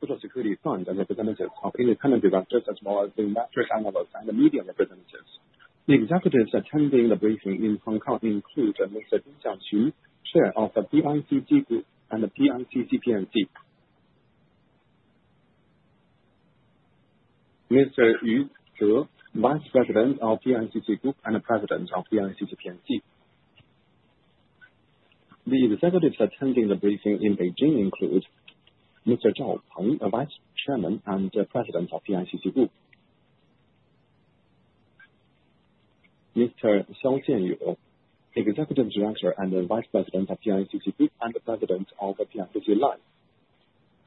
Social Security Fund and representatives of independent directors as well as the industrial analysts and the media representatives. The executives attending the briefing in Hong Kong include Ms. Ding Xiangqun, Chair of the PICC Group and PICC P&C. Mr. Yu Ze, Vice President of PICC Group and President of PICC P&C. The executives attending the briefing in Beijing include Mr. Zhao Peng, Vice Chairman and President of PICC Group. Mr. Xiao Jianyou, Executive Director and Vice President of PICC Group and President of PICC Life.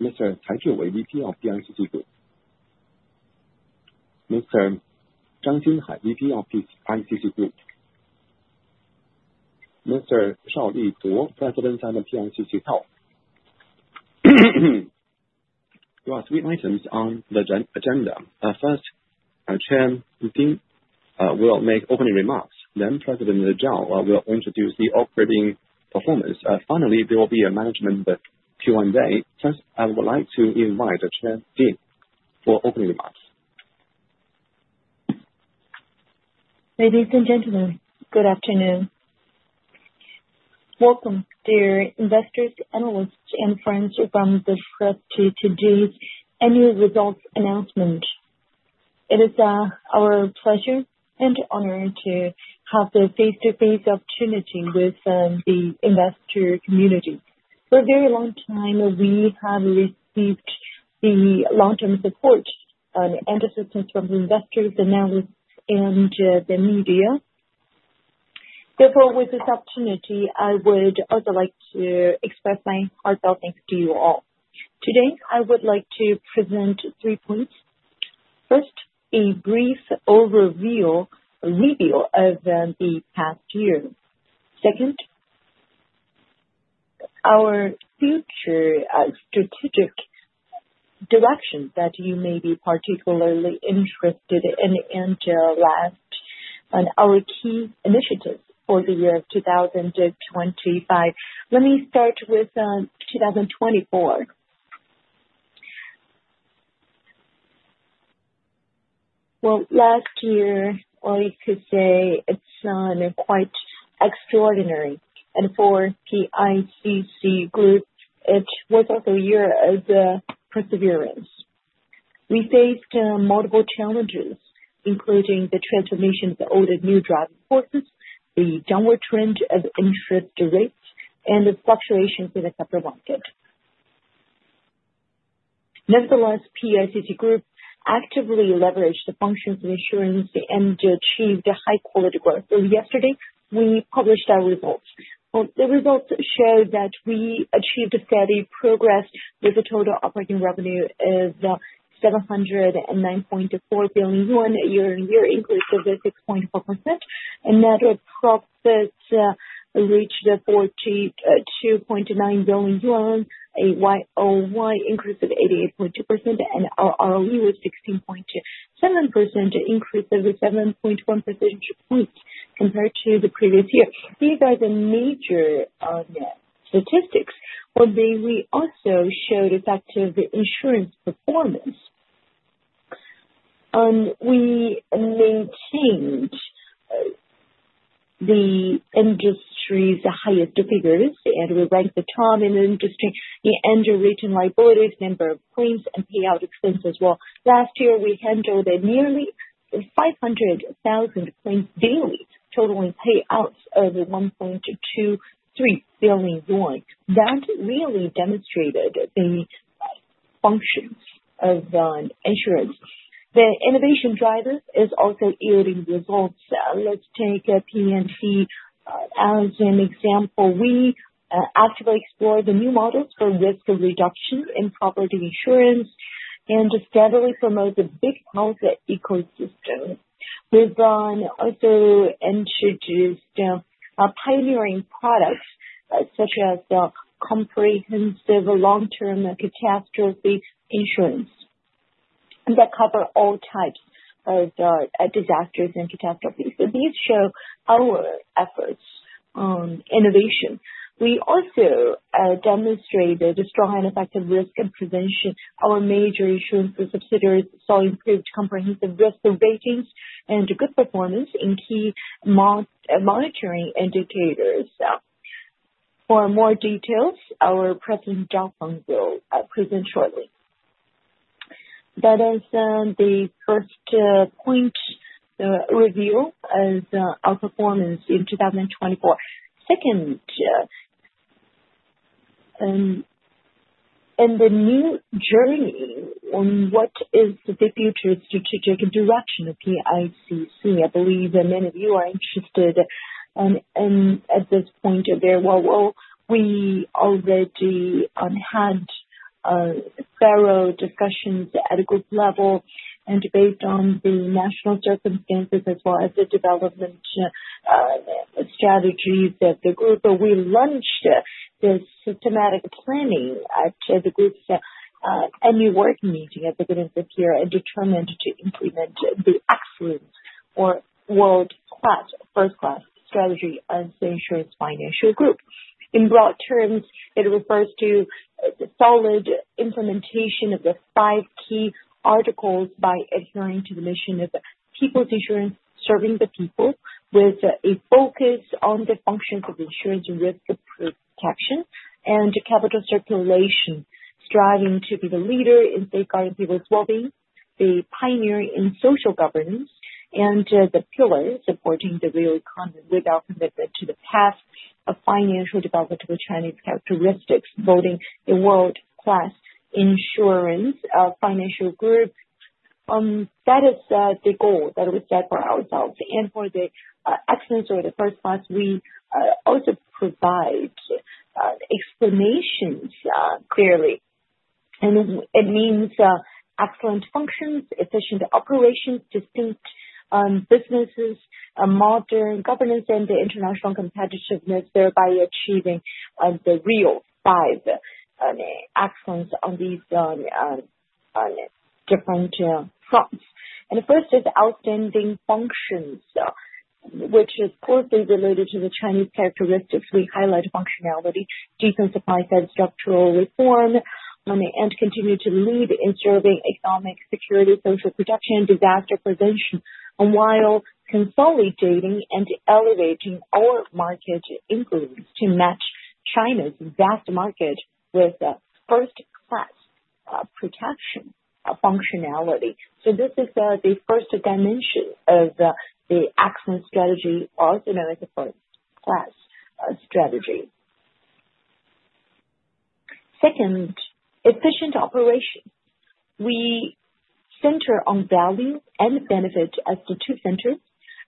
Mr. Cai Jiwei, VP of PICC Group. Mr. Zhang Jinhai, VP of PICC. Mr. Shao Liduo, President of the PICC Health. There are three items on the agenda. First, Chair Ding will make opening remarks. Then President Zhao will introduce the operating performance. Finally, there will be a management Q&A. First, I would like to invite Chair Ding for opening remarks. Ladies and gentlemen, good afternoon. Welcome. Dear investors, analysts and friends. For the first time, today's annual results announcement. It is our pleasure and honor to have the face-to-face opportunity with the investor community. For a very long time we have received the long-term support and assistance from investors, analysts and the media. Therefore, with this opportunity, I would also like to express my heartfelt thanks to you all. Today I would like to present three points. First, a brief overview of the past year. Second, our future strategic direction that you may be particularly interested in and lastly our key initiatives for the year 2025. Let me start with 2024. Last year, or you could say it was a quite extraordinary year and for PICC Group it was also a year of perseverance. We faced multiple challenges including the transformation of the old and new driving forces, the downward trend of interest rates and the fluctuations in the capital market. Nevertheless, PICC Group actively leveraged the functions of insurance and achieved high quality growth. Yesterday we published our results. The results show that we achieved a steady progress with the total operating revenue of CNY 79.4 billion, year-on-year increase of 6.4% and net profits reached 42.9 billion yuan, a YoY increase of 88.2% and our ROE was 16.7%, increase of a 7.1 percentage point compared to the previous year. These are the major statistics. We also showed effective insurance performance. We maintained the industry's highest figures and we ranked the top in the industry. The underwriting liabilities, number of claims and payout expenses. Last year we handled nearly 500,000 claims daily, totaling payouts of 1.23 billion yuan. That really demonstrated the functions of insurance. The innovation driver is also yielding results. Let's take P&C as an example. We actively explore the new models for risk reduction in property insurance and steadily promote the DIP health ecosystem. We've also introduced pioneering products such as comprehensive long-term catastrophe insurance that cover all types of disasters and catastrophes. So these show our efforts on innovation. We also demonstrated strong and effective risk and prevention. Our major insurance subsidiaries improved comprehensive risk ratings and good performance in key monitoring indicators. For more details, our President Zhao Peng will present shortly. That is the first point review of our performance in 2024. Second. And the new journey what is the future strategic direction of PICC? I believe many of you are interested at this point. We already had thorough discussions at a group level and debate on the national circumstances as well as the development strategies that the Group. We launched this systematic planning at the Group's new work meeting at the beginning of year determined to implement the excellence or world class first class strategy as the Insurance Financial Group. In broad terms, it refers to solid implementation of the Five Key Articles by adhering to the mission of people's insurance, serving the people with a focus on the functions of insurance risk protection and capital circulation, striving to be the leader in safeguarding people's wellbeing, the pioneer in social governance and the pillar supporting the real economy with our commitment to the path of financial development of Chinese characteristics, building a world class insurance financial group that is the goal that we set for ourselves and for the excellence or the first class. We also provide explanations clearly, and it means excellent functions, efficient operations, distinct businesses, modern governance, and international competitiveness, thereby achieving the real five actions on these different fronts. And the first is outstanding functions, which is closely related to the Chinese characteristics. We highlight functionality, supply-side structural reform, and continue to lead in serving economic security, social protection, disaster prevention while consolidating and elevating our market increments to match China's vast market with first-class protection functionality. So this is the first dimension of the action strategy, also known as the first-class strategy. Second, efficient operation. We center on value and benefit as the two centers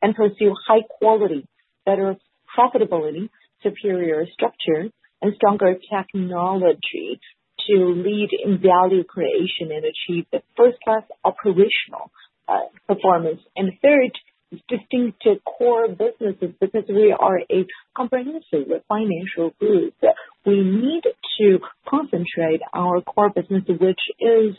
and pursue high quality, better profitability, superior structure, and stronger technology to lead in value creation and achieve the first operational performance. And third, distinct core businesses. Because we are a comprehensive financial group, we need to concentrate our core business which is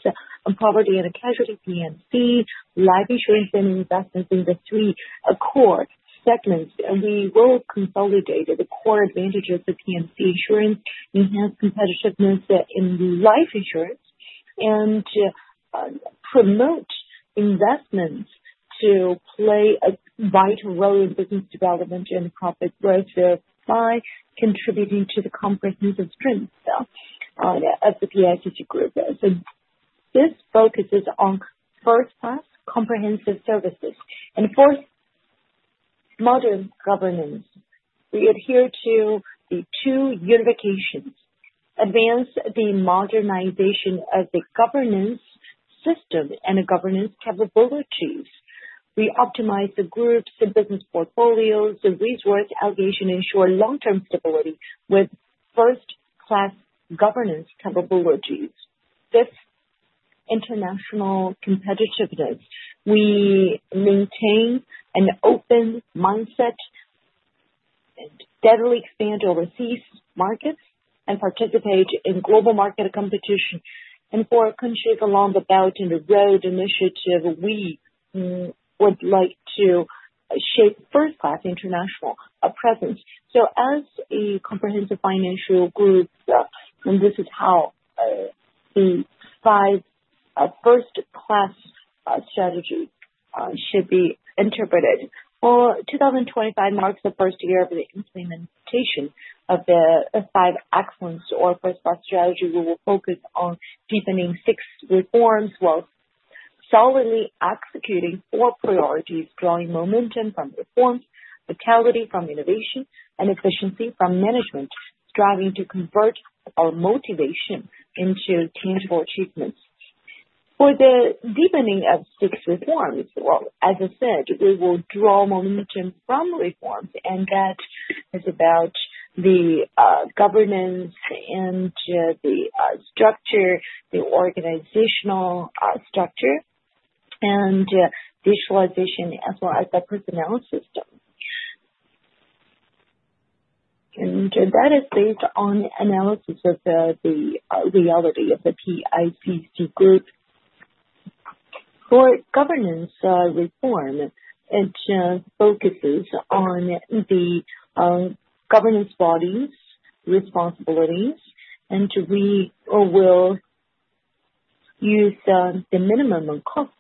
property and casualty, PICC Life insurance and investments in the three core segments. We will consolidate the core advantages of P&C insurance, enhance competitiveness in life insurance and promote investments to play a vital role in business development and profit growth by contributing to the comprehensive strength of the PICC Group. This focuses on first-class comprehensive services and for modern governance. We adhere to the two unifications, advance the modernization of the governance system and governance capabilities. We optimize the groups and business portfolios. The resource allocation ensures long-term stability with first-class governance capabilities. This international competitiveness. We maintain an open mindset, steadily expand overseas markets and participate in global market competition and for the Belt and Road Initiative we would like to shape first class international presence so as a comprehensive financial group. This is how the five first class strategy should be interpreted. 2025 marks the first year of the implementation of the five excellence or first class strategy. We will focus on deepening six reforms while solidly executing four priorities. Drawing momentum from reforms, vitality from innovation and efficiency from management. Striving to convert our motivation into tangible achievements for the deepening of six reforms. As I said, we will draw momentum from reforms and that is about the governance and the structure, the organizational structure and utilization as well as the personnel system. That is based on analysis of. The reality of the PICC Group. For governance reform. It focuses on the governance body's responsibilities and we will use the minimum cost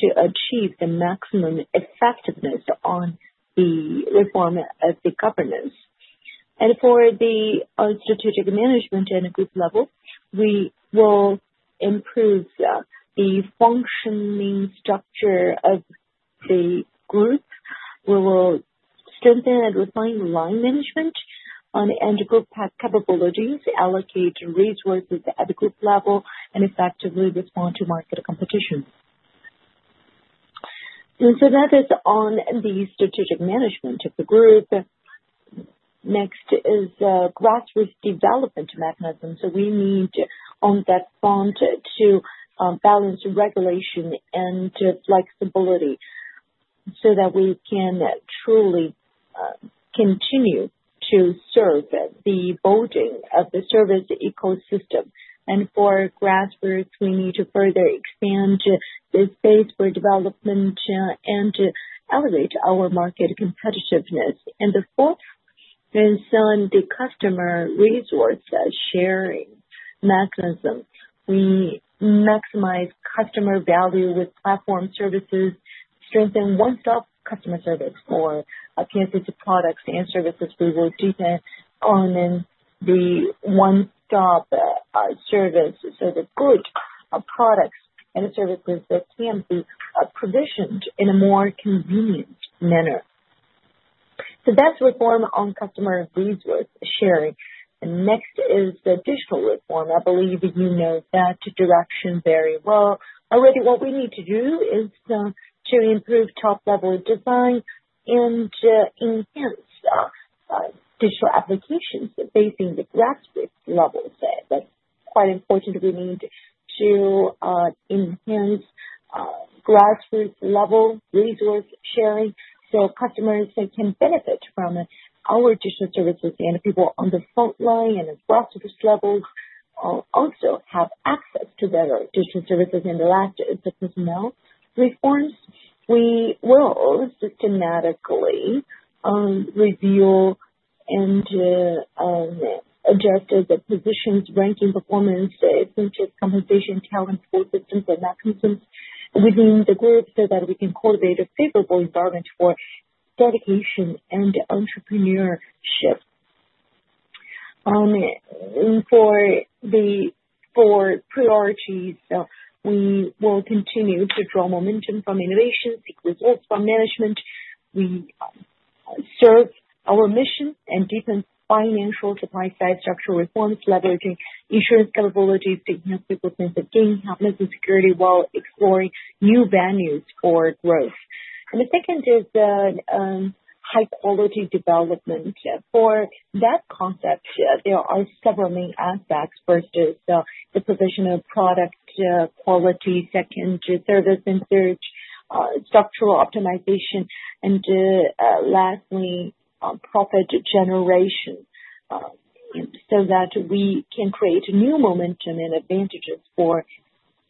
to achieve the maximum effectiveness on the reform of the governance and for the strategic management. At a group level, we will improve the functioning structure of the group. We will strengthen and refine line management and group capabilities, allocate resources at the group level and effectively respond to market competition. So that is on the strategic management group. Next is grassroots development mechanisms. We need on that front to balance regulation and flexibility so that we can truly continue to serve the building of the service ecosystem. And for grassroots, we need to further expand the space for development and elevate our market competitiveness. And the fourth is the customer resource sharing mechanism, we maximize customer value with platform services, strengthen one-stop customer service for PICC products and services. We will deepen on the one-stop service so the good products and services that can be provisioned in a more convenient manner, so that's reform on customer experience with sharing. Next is the digital reform. I believe you know that direction very well already. What we need to do is to improve top-level design and enhance digital applications facing the grassroots level. That's quite important. We need to enhance grassroots level resource sharing so customers can benefit from our digital services and people on the front line and across levels also have access to better digital services. For the last personnel reforms, we will systematically review and adjust the position's ranking performance such as compensation, talent systems and mechanisms within the group so that we can cultivate a favorable environment for dedication and entrepreneurship. For the four priorities, we will continue to draw momentum from innovation, seek results from management. We serve our mission and deepen financial supply-side structural reforms. Leveraging insurance capabilities to help people sense of gain, happiness, and security while exploring new venues for growth, and the second is high-quality development. For that concept, there are several main aspects. First is the provision of product quality, second service and claims, structural optimization, and lastly profit generation so that we can create new momentum and advantages for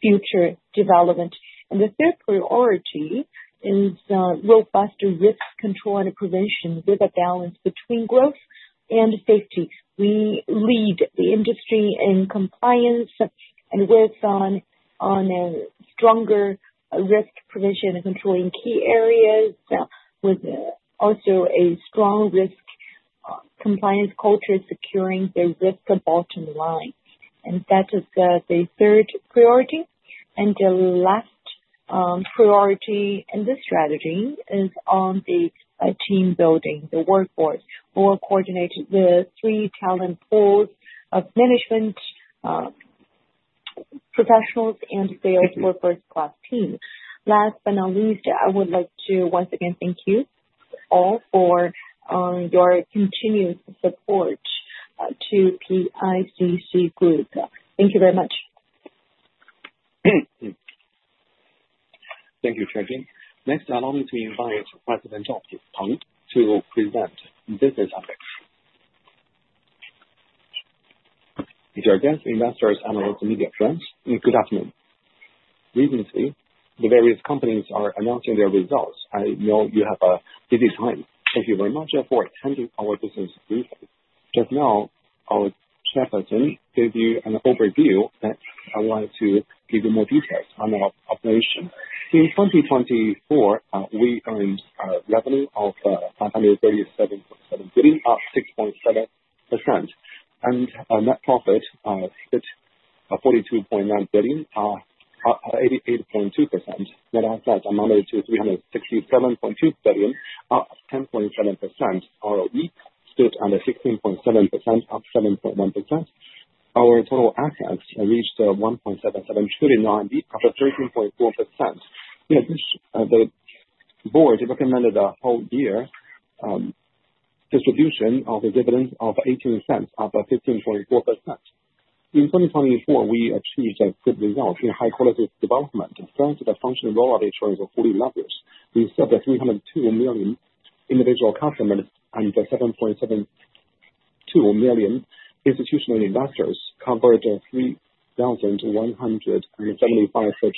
future development, and the third priority is robust risk control and prevention with a balance between growth and safety. We lead the industry in compliance and work on stronger risk provision and control in key areas with also a strong risk compliance culture. Securing the risk bottom line and that is the third priority and the last priority in this strategy is on the team building the workforce. We will coordinate the three talent pools of management professionals and sales for first class team. Last but not least, I would like to once again thank you all for your continued support to PICC Group. Thank you very much. Thank you, Chair Ding. Next, allow me to invite President to present business topics. Dear guests, investors, analysts, media friends. Good afternoon. Recently the various companies are announcing their results. I know you have a busy time. Thank you very much for attending our business. Briefly, just now our chairperson gave you an overview. I wanted to give you more details on our operation in 2024. We earned revenue of 537.7 billion, up 6.7%, and net profit hit 42.9 billion, up 88.2%. Net assets amounted to 367.2 billion, up 10.7%. ROE stood at 16.7%, up 7.1%. Our total assets reached 1.7729 trillion RMB, up 13.4%. The board recommended a whole year distribution of the dividend of 0.18, payout ratio of 54.24%. 2024 we achieved a good result in high quality functioning. The role of insurance as a lever. We served 302 million individual customers and 7.72 million institutional clients, covered 31.75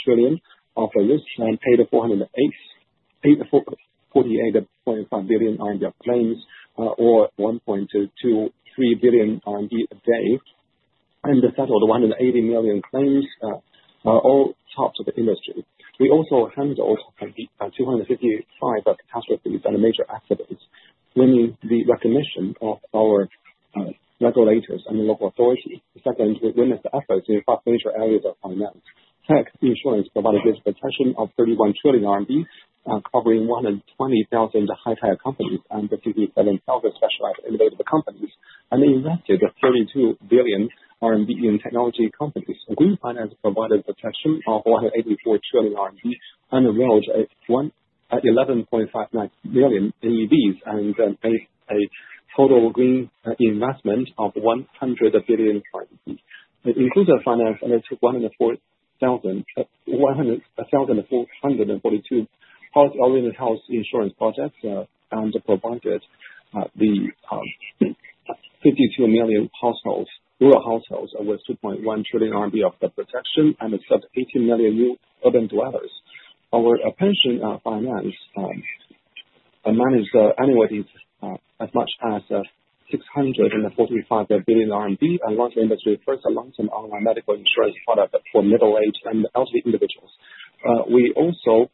trillion of risks and paid 484.5 billion RMB in claims, or 1.23 billion RMB a day, and settled 180 million claims, all tops of the industry. We also handled 255 catastrophes and major accidents, winning the recognition of our regulators and the local authorities. Second, winning the efforts in major areas of finance. Tech insurance provided this protection of 31 trillion RMB, covering 120,000 high-tech companies, over 2,000 specialized innovative companies, and they invested 32 billion RMB in technology companies. Green finance provided protection of 184 trillion RMB and rose 11.59 billion NEVs and a total green investment of 100 billion including 100,442 oriented health insurance projects and provided the 52 million rural households with 2.1 trillion RMB of protection and such as 18 million new urban dwellers. Our pension finance managed annually as much as 645 billion RMB and launched industry first an online medical insurance product for middle-aged and elderly individuals. We also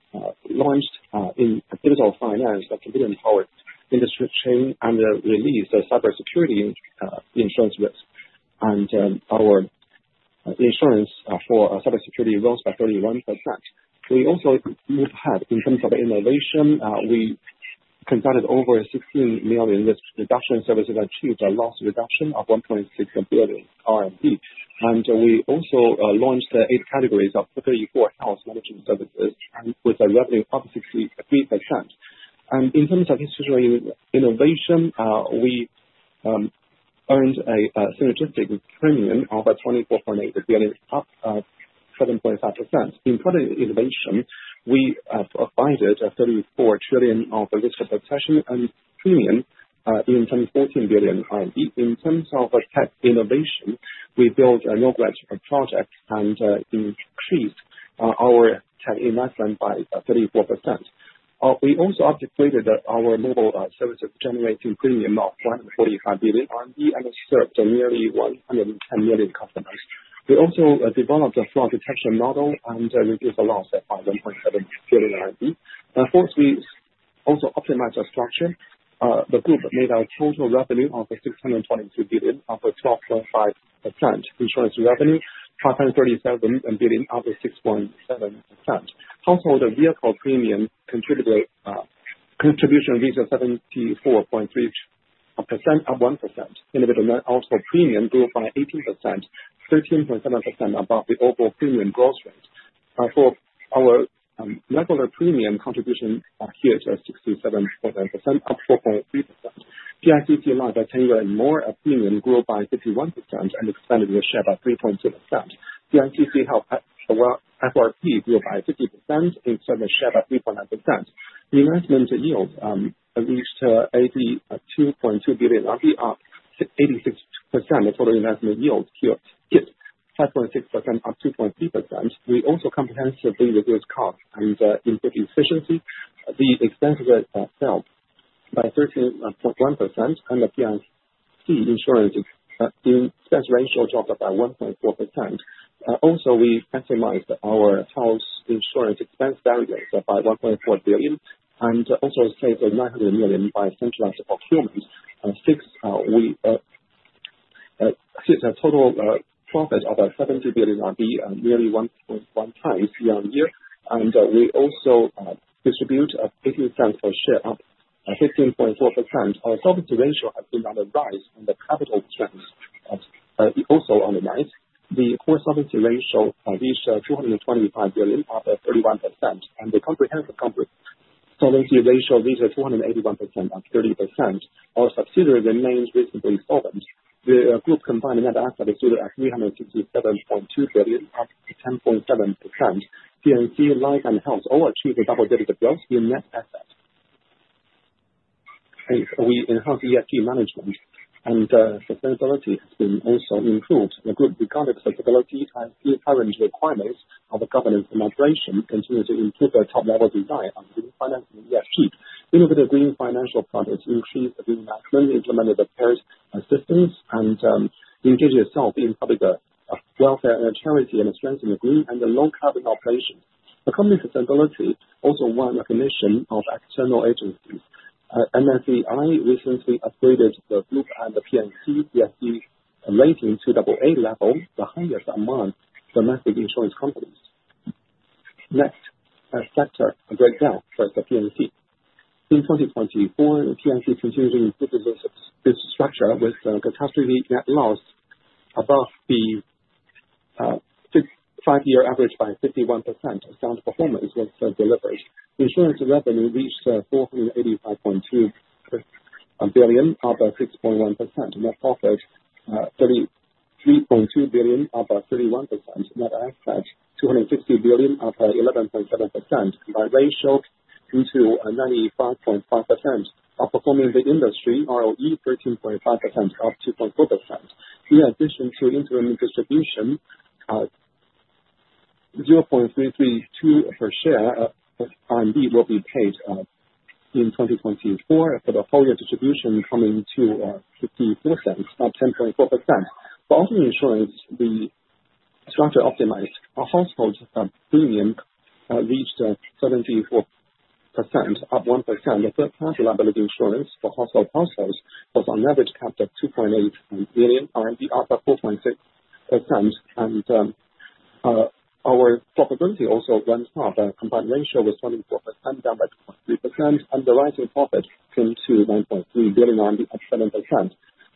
launched in digital finance a computer-empowered industry chain and released cybersecurity insurance risk and our insurance for Cybersecurity rose by 31%. We also moved ahead in terms of innovation. We conducted over 16 million risk reduction services, achieved a loss reduction of 1.6 billion RMB and we also launched eight categories of 34 health managing services with a revenue of 63%. And in terms of innovation, we earned a synergistic premium of 24.8 billion, up 7.5%. In product innovation, we provided 34 trillion of insurance coverage and premium in terms of 14 billion RMB. In terms of tech innovation, we built a knowledge project and increased our tech investment by 34%. We also upgraded our mobile services, generating premium of 145 billion, and served nearly 110 million customers. We also developed a fraud detection model and reduced the loss at 1.7 billion RMB. Fourth, we also optimized the structure. The group made a total revenue of 622 billion, up 12.5%. Insurance revenue 537 billion, up 6.7%. Household vehicle premium contribution reached 74.3%, up 1%. Individual premium grew by 18%, 13.7% above the overall premium. Growth rate for our regular premium contribution appears at 67.9%, up 4.3%. MI grew by 10% year-on-year and non-MI premium grew by 51% and expanded their share by 3.2%. PICC held first. Auto premium grew by 50% in terms of share by 3.9%. Investment yield reached 82.2 billion up 86%. Total investment yield was 5.6% up 2.3%. We also comprehensively reduced costs and improved efficiency. The expense rate fell by 13.1% and the PICC P&C expense ratio dropped by 1.4%. Also we reduced our health insurance expense by 1.4 billion and also saved 900 million by centralized procurement. We hit a total profit of 70 billion RMB nearly 1.1 times year-on-year and we also distributed 0.50 per share up 15.4%. Our solvency ratio has been on the rise in the capital trends. Also on the right, the core solvency ratio reached 225% up 31% and the comprehensive solvency ratio reaches 281% up 30%. Our subsidiaries remain reasonably solvent. The group combined net assets valued at 367.2 billion up 10.7%. PICC Life and Health all achieving double-digit growth in net assets. We enhanced ESG management and sustainability has been also improved. The group regarded sustainability as the current requirements. Our governance mechanism continue to improve their top level design on green financing asset innovative green financial project increased green management implemented the parent systems and engage itself in public welfare, charity and strengthen the green and the low carbon operations. The company's sustainability also won recognition of external agencies. MSCI recently upgraded the ESG and the PICC ESG rating to AA level, the highest among domestic insurance companies. Next, sector breakdown for P&C in 2024. P&C continues to improve its structure with catastrophe net loss above the five-year average by 51%. Sound performance was delivered. Insurance revenue reached 485.2 billion, up 6.1%. Net profit [reached] 33.2 billion, up 31%. Net assets [reached] 250 billion, up 11.7%. Combined ratio down to 95.5%, outperforming the industry. ROE 13.5%, up 2.4%. In addition to interim distribution [of] RMB 0.332 per share, final dividend will be paid in 2024 for the full-year distribution coming to 0.54, up 10.4%. For auto insurance, the structure optimized. Motor premium reached 74%, up 1%. The third-party liability insurance for motor vehicles was on average capped at 2.8 million RMB, up 4.6%, and our profitability also runs up. Combined ratio was 94%, down by 2.3%. Underwriting profit came to 1.3 billion, up 7%.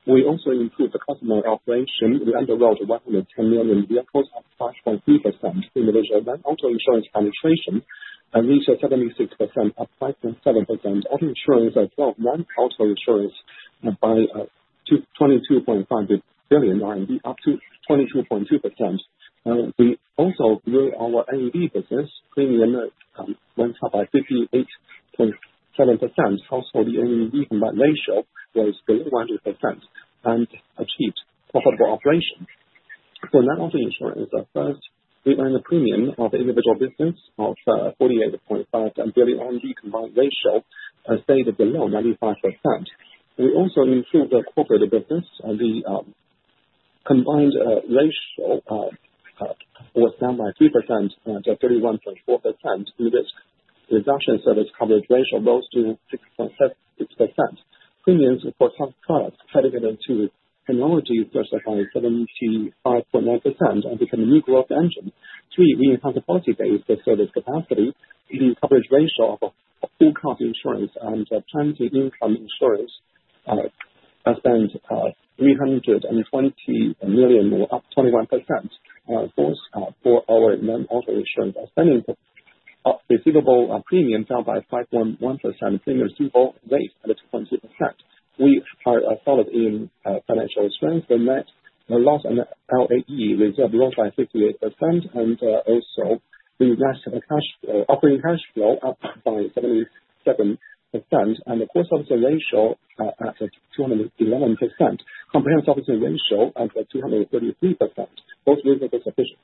We also improved the customer operation. We underwrote 110 million vehicles, up 5.3%. Individual non-auto insurance penetration reached 76% of 5.7%. Auto insurance as well as non-auto insurance by 22.5 billion RMB RMB up to 22.2%. We also grew our NEV business premium went up by 58.7%. Also the NEV ratio was below 100% and achieved profitable operation for non-auto insurance first we earned a premium of individual business of 48.5 billion on the combined ratio stayed below 95%. We also improved the corporate business. The combined ratio was down by 3% and 31.4% in risk reduction. Service coverage ratio rose to 6.76% premiums for products related to technology reached 75.9% and became a new growth engine. We are enhancing ability-based service capacity, the coverage ratio of insurance and personal accident insurance spent CNY 320 million, up 21%, for our non-auto insurance. Premiums receivable down by 5.1%, receivable rate at 2.2%. We bolstered financial strength, the net loss and LAE reserve grew by 58%, and also we have operating cash flow up by 77%, and the gross loss ratio at 211%, combined operating ratio at 233%, both reasonably sufficient.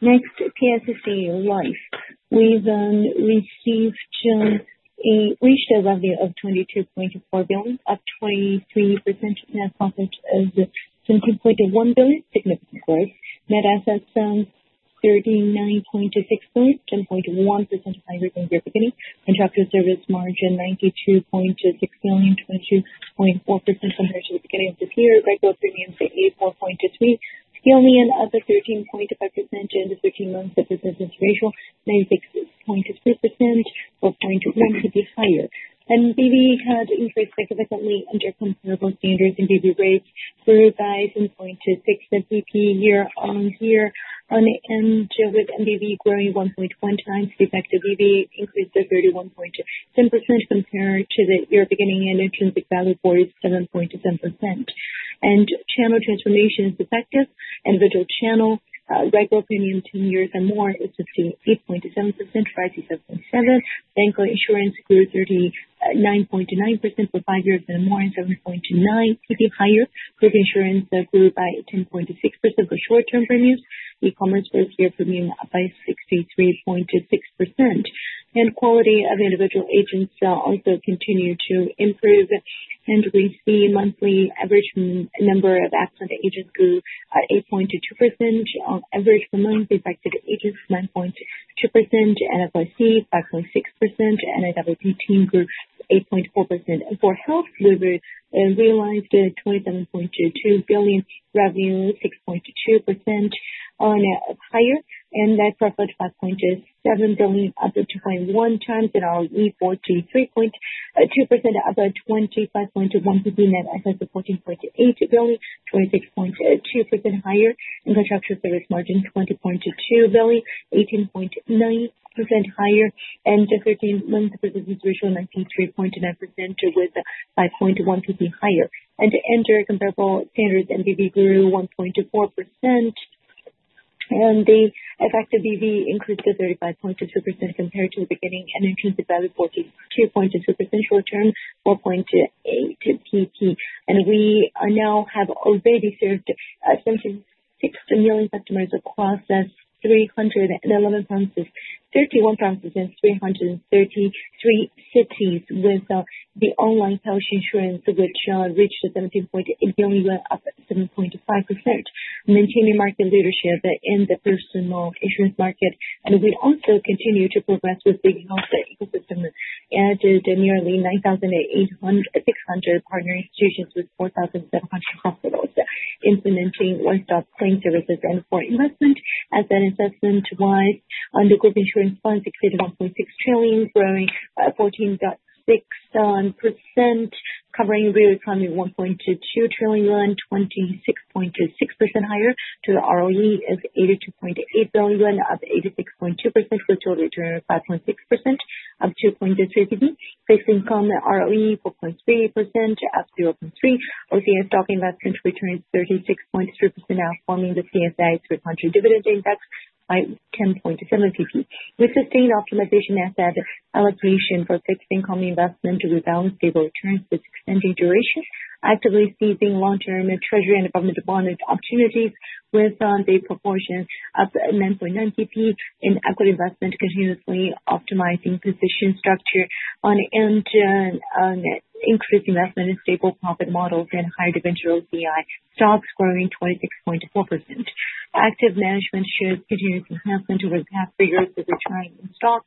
Next, PICC Life, we then reached a revenue of 22.4 billion with 23% net profit of 17.1 billion, significant growth. Net assets 39.6 billion, 10.1% higher. Beginning contractual service margin 92.6 billion, 22.4% compared to the beginning of this year. Regular premiums 84.23 billion, up only 13.5%, and the 13-month persistency ratio 96.3%, 4.1 percentage points higher, and NBV had increased significantly in terms of comparable standards. NBV rates grew by 7.6 basis points year on year and with NBV growing 1.1 times, the effect of EV increased to 31.7% compared to the year beginning and intrinsic value 47.7% and channel transformation is effective. Individual channel regular premium 10 years and more is 58.7%. 5- to 7-year bank insurance grew 39.9% for 5 years and more and 7.9% group insurance grew by 10.6% for short term premiums. E commerce growth year premium by 63.6% and quality of individual agents also continue to improve and we see monthly average number of affluent agents grew 8.22% on average for months impacted agents 9.3%. NFYC 5.6%. NIWP team group 8.4%. For PICC Health realized 27.2 billion revenue 6.2% higher and net profit 5.7 billion up 2.1 times and ROE 43.2% up 25.1%. Net assets of 14.8 billion 26.2% higher insurance service margin 20.2% 18.9% higher and 13 month persistency 93.9% with 5.1% higher and comparable standards. NBV grew 1.24% and the effective EV increased to 35.2% compared to the beginning and intrinsic value 42.2% short term 4.8 percentage points and we now have already served six million customers across 31 provinces and 333 cities with the online health insurance which reached 17.8 billion up 7.5% maintaining market leadership in the personal insurance market and we also continue to progress with the health ecosystem added nearly 9,800,600 partner institutions with 4,700 hospitals implementing one-stop claim services and for investment as an assessment wise the Group insurance funds exceeded 1.6 trillion growing 14.6% covering real economy 1.22 trillion yuan YoY 26.6% higher to the equity investment of 82.8 billion yuan up 86.2% with total return of 5.6% up 2.3 fixed income ROE 4.3% up 0.3% OCI stock investment return is 36.3% now forming the CSI 300 dividend index by 10.7 percentage points with sustained optimization asset allocation for fixed income investment rebalance stable returns with extended duration, actively seizing long term treasury and government deployment opportunities with the proportion of 9.9% in equity investment continuously optimizing position structure ongoing, increased investment in stable profit models and higher dividend OCI stocks growing 26.4% active management shows continuous enhancement over the past few years of return in stock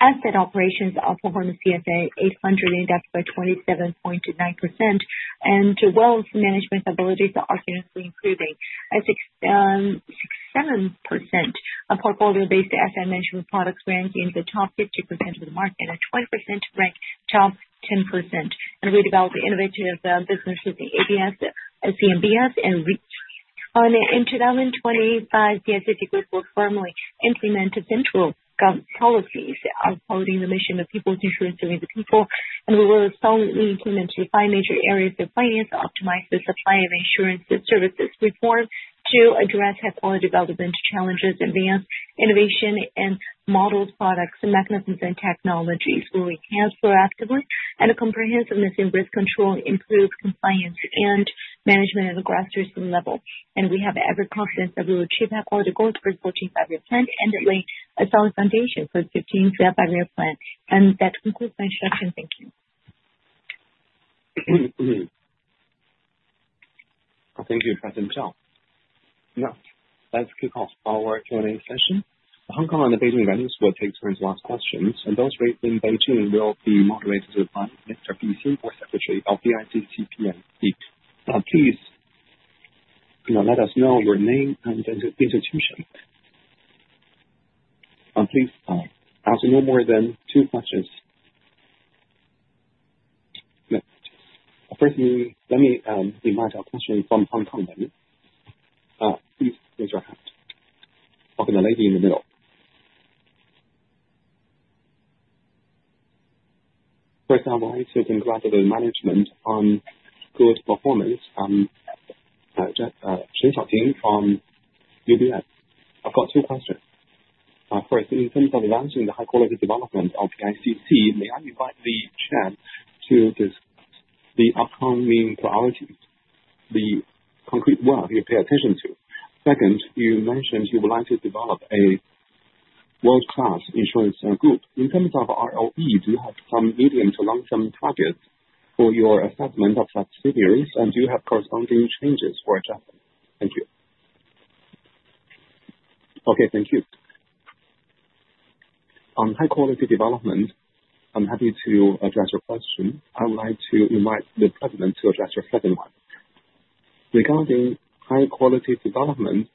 asset operations of performance outperformed CSI 300 index by 27.9% and wealth management abilities are continuously improving. 67% of portfolio based asset management products in the top 50% of the market and 20% rank top 10% and we develop innovative businesses in ABS, CMBS and REITs. In 2025, PICC Group will formally implement central policies following the mission of people's insurance service people and we will solely implement the five major areas of finance optimize the supply of insurance services, reform to address healthcare development challenges, advanced and innovation and models, products, mechanisms and technologies will enhance proactively and a comprehensiveness in risk control improve compliance and management at the grassroots level and we have every confidence that we will achieve that all the goals for the 14th Five-Year Plan and lay a solid foundation for 15th Five-Year Plan and that concludes my introduction. Thank you. Thank you, President Zhao. Now let's kick off our Q&A session. The Hong Kong and the Beijing venues will take time to ask questions, and those raised in Beijing will be moderated by Mr. Zeng, Secretary of the Board of PICC. Please let us know your name and institution. Please answer no more than two questions. First, let me remind our question from Hong Kong. Please raise your hand. Okay, the lady in the middle. First, I would like to congratulate the management on good performance from UBS. I've got two questions. First, in terms of advancing the high-quality development of PICC, may I invite the Chair to discuss the upcoming priorities, the concrete work you pay attention to. Second, you mentioned you would like to develop a world-class insurance group. In terms of ROE, do you have some medium- to long-term targets for your assessment of subsidiaries? And do you have corresponding changes for adjustments? Thank you. Okay, thank you. On high quality development, I'm happy to address your question. I would like to invite the President to address your second one regarding high quality development.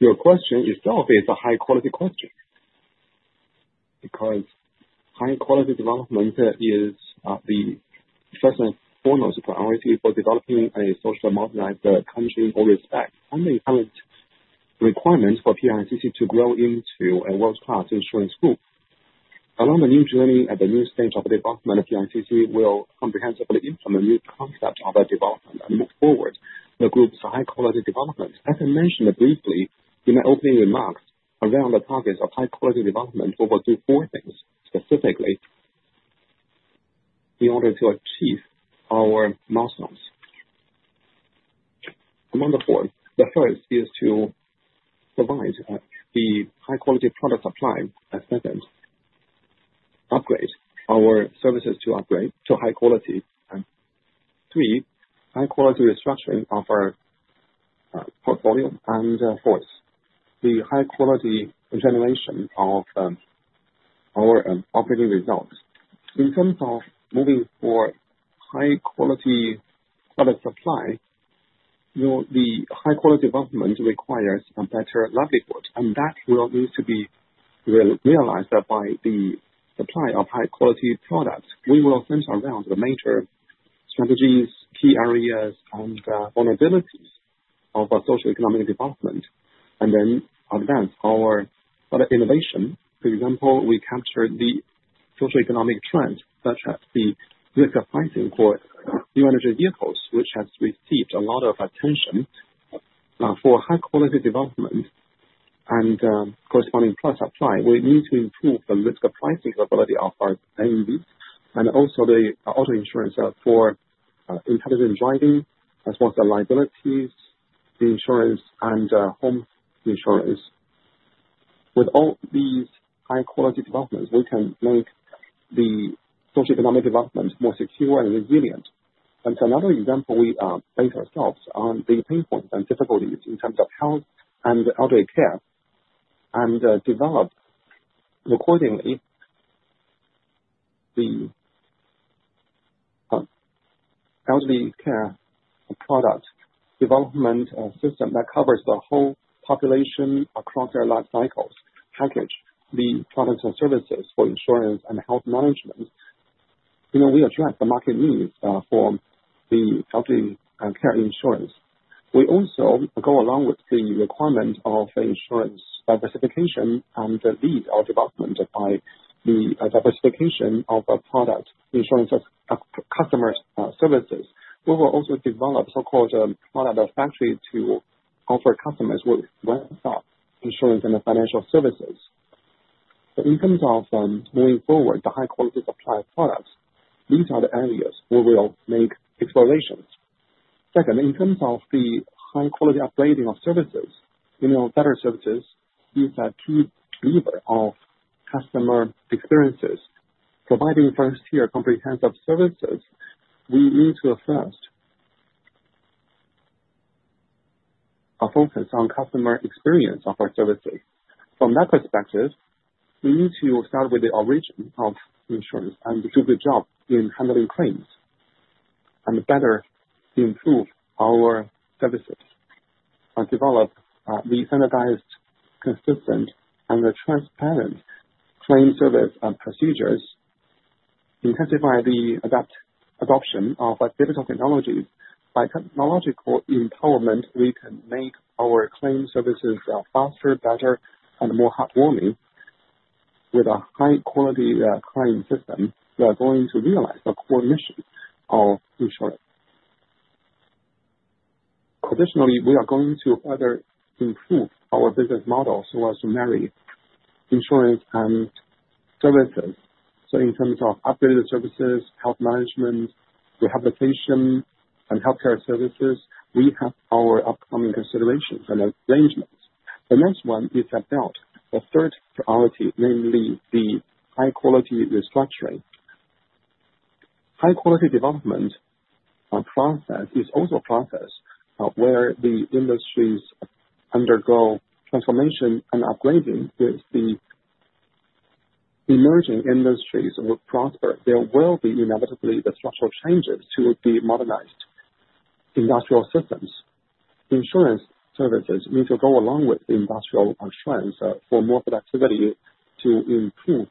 Your question itself is a high quality question. Because high quality development is the first and foremost priority for developing a socialist modernized country. In respect of requirements for PICC to grow into a world class insurance group along the new journey, at the new stage of development, PICC will comprehensively implement new concept of development and move forward the group's high quality development. As I mentioned briefly in my opening remarks, around the targets of high quality development we do four things specifically in order to achieve our milestones. Among the four, the first is to provide the high quality product supply. Second, upgrade our services to upgrade to high quality. Three, high quality restructuring of our portfolio and fourth, the high quality generation of our firm's our operating results in terms of moving for high quality product supply. The high quality development requires a better livelihood and that will need to be realized by the supply of high quality products. We will center around the major strategies, key areas and vulnerabilities of socioeconomic development and then advance our innovation. For example, we captured the socioeconomic trend such as the risk of pricing for new energy vehicles which has received a lot of attention. For high-quality development and corresponding policy supply, we need to improve the risk pricing capability of our NEV and also the auto insurance for intelligent driving as well as the liability insurance and home insurance. With all these high-quality developments, we can make the socioeconomic development more secure and resilient, and so another example, we base ourselves on the pain points and difficulties in terms of health and elderly care and develop accordingly the elderly care product development system that covers the whole population across their life cycles, package the products and services for insurance and health management. We address the market needs for the elderly care insurance. We also go along with the requirement of insurance diversification and lead our development by the diversification of product, insurance, customer services. We will also develop so-called product factory to offer customers with insurance and financial services. In terms of moving forward the high quality supply products, these are the areas where we'll make explorations. Second, in terms of the high quality upgrading of services, one-month services is a key lever of customer experiences providing first-year comprehensive services. We need to first focus on customer experience of our services. From that perspective, we need to start with the origin of insurance and do the job in handling claims and better improve our services. Develop the standardized, consistent and transparent claim service procedures. Intensify the adoption of digital technologies. By technological empowerment, we can make our claim services faster, better and more heartwarming. With a high quality claim system, we are going to realize our core mission of insurance. Additionally, we are going to further improve our business model so as to marry insurance and services. So in terms of upgraded services, health management, rehabilitation and healthcare services, we have our upcoming considerations and arrangements. The next one is about the third priority, namely the high-quality restructuring. High-quality development process is also a process where the industries undergo transformation and upgrading. With the emerging industries will prosper. There will be inevitably the structural changes to be modernized industrial systems. Insurance services need to go along with industrial assurance for more productivity. To improve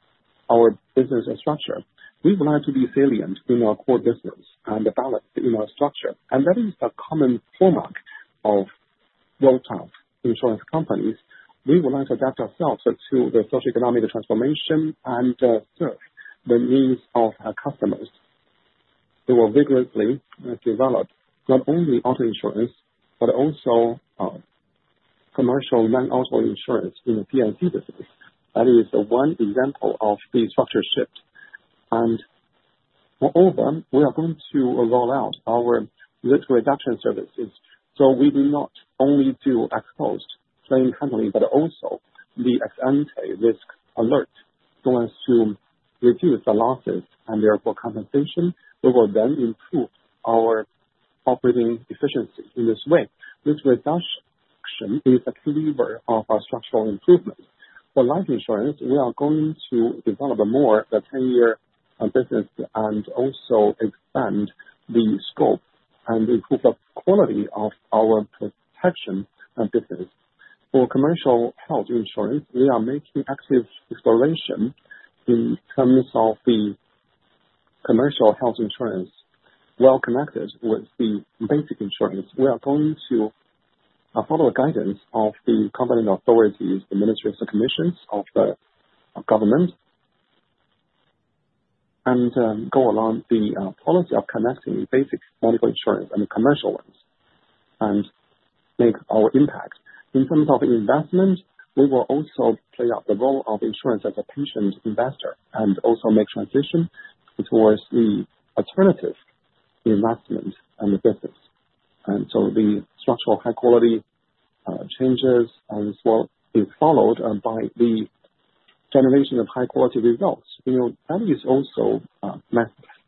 our business structure, we would like to be salient in our core business and balance in our structure. And that is the common hallmark of world's top insurance companies. We would like to adapt ourselves to the socioeconomic transformation and serve the needs of our customers. They will vigorously develop not only auto insurance but also commercial non-auto insurance in the P&C business. That is one example of the structural shift. Moreover, we are going to roll out our risk reduction services so we do not only do ex-post claim handling but also the ex ante risk alert so as to reduce the losses and therefore compensation. We will then improve our operating efficiency in this way. This reduction is a lever of structural improvements. For life insurance, we are going to develop more 10-year business and also expand the scope and improve the quality of our protection business. For commercial health insurance, we are making active exploration in terms of the commercial health insurance well connected with the basic insurance. We are going to follow the guidance of the government authorities, the ministries and commissions of the government, and go along the policy of connecting basic medical insurance and commercial ones and make our impact in terms of investment. We will also play up the role of insurance as a pension investor and also make transition towards the alternative investment and the business, and so the structural high quality changes as well is followed by the generation of high quality results. That is also my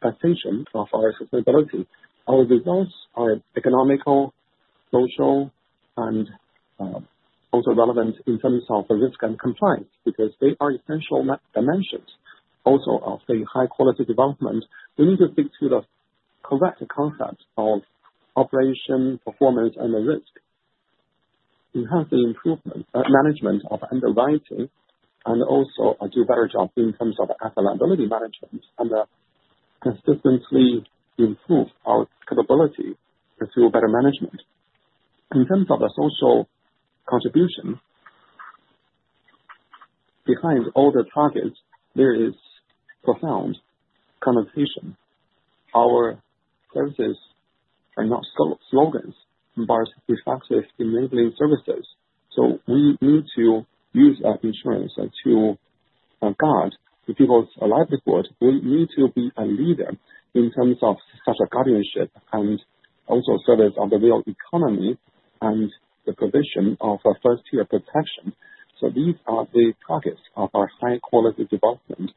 expectation of our sustainability. Our results are economic, social and also relevant in terms of risk and compliance because they are essential dimensions also of the high quality development. We need to stick to the correct concepts of operation performance and risk enhancing improvement management of underwriting and also do better job in terms of affiliability management and consistently improve our capability pursue better management in terms of the social contribution behind all the targets there is profound connotation. Our services are not slogans, bars reflective enabling services. So we need to use that insurance to guard the people's livelihood will need to be a leader in terms of such a guardianship and also service of the real economy and the provision of first tier protection. So these are the targets of our high quality development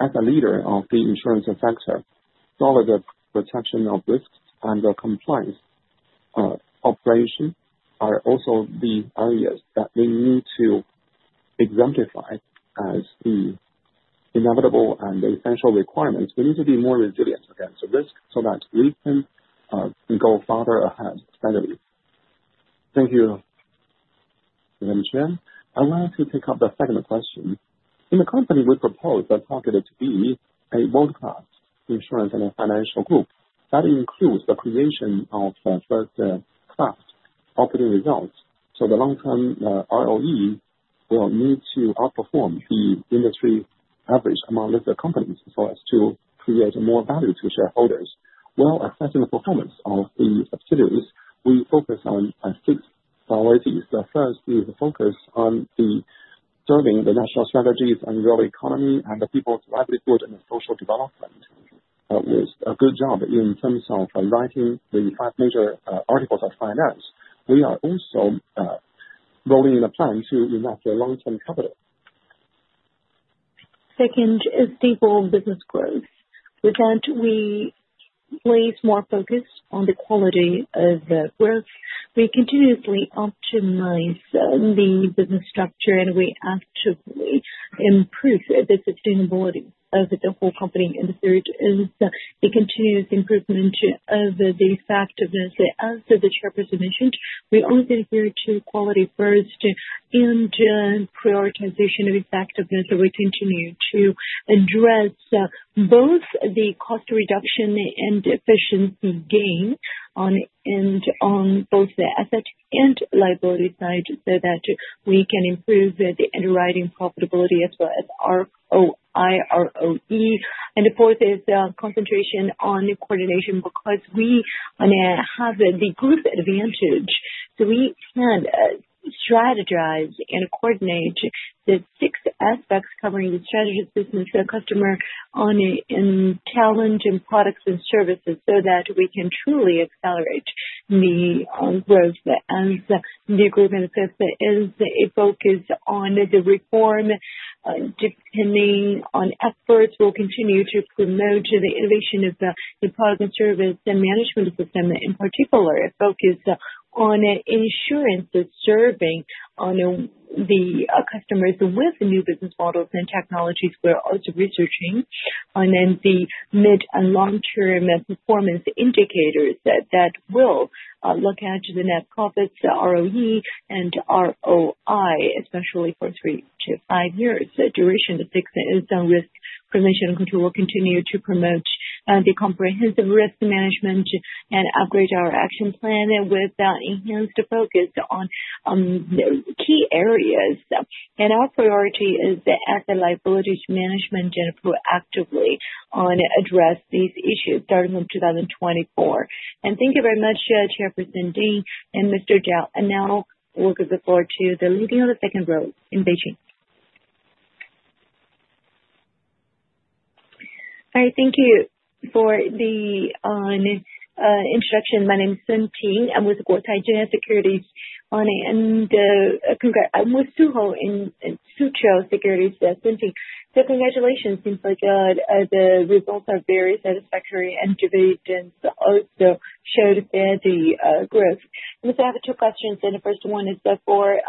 as a leader of the insurance sector. Solid protection of risks and compliance operation are also the areas that we need to exemplify as the inevitable and essential requirements. We need to be more resilient against the risk so that we can go farther ahead steadily. Thank you. I'd like to take up the second question. In the company we propose a target to be a world class insurance and financial group that includes the creation of first class operating results. So the long term ROE will need to outperform the industry average among listed companies so as to create more value to shareholders. While assessing the performance of the subsidiaries, we focus on six priorities. The first is the focus on serving the national strategies and world economy and the people-centered and social development with a good job in terms of writing the Five Major Finance Articles. We are also rolling out a plan to attract long term capital. Second, stable business growth. With that, we place more focus on the quality of growth. We continuously optimize the business structure, and we actively improve the sustainability of the whole company, and the third is the continuous improvement of the effectiveness. As the chairperson mentioned, we only adhere to quality first and prioritization of effectiveness. We continue to address both the cost reduction and efficiency gain on both the asset and liability side so that we can improve the underwriting profitability as well as ROI, ROE, and the fourth is concentration on coordination because we have the group advantage so we can strategize and coordinate the six aspects covering the strategy, business, customer, channel in products and services so that we can truly accelerate the growth. As the agreement is a focus on the reform, depending on efforts, we'll continue to promote the innovation of the product and service and management system in particular focus on insurance serving the customers with new business models and technologies. We're also researching and then the mid and long term performance indicators that we will look at the net profits, ROE and ROI especially for three to five years duration of six income risk prevention control will continue to promote the comprehensive risk management and upgrade our action plan with enhanced focus on key areas and our priority is the asset liability management and proactively address these issues starting from 2024. Thank you very much, Chairperson Ding and Mr. Zhao, and now we'll give the floor to the leading of the second row in Beijing. All right, thank you for the introduction. My name is Sun Ting. I'm with Guotai Junan Securities. So congratulations. Seems like the results are very satisfactory, and data beat, and also showed the growth. I have two questions, and the first one is for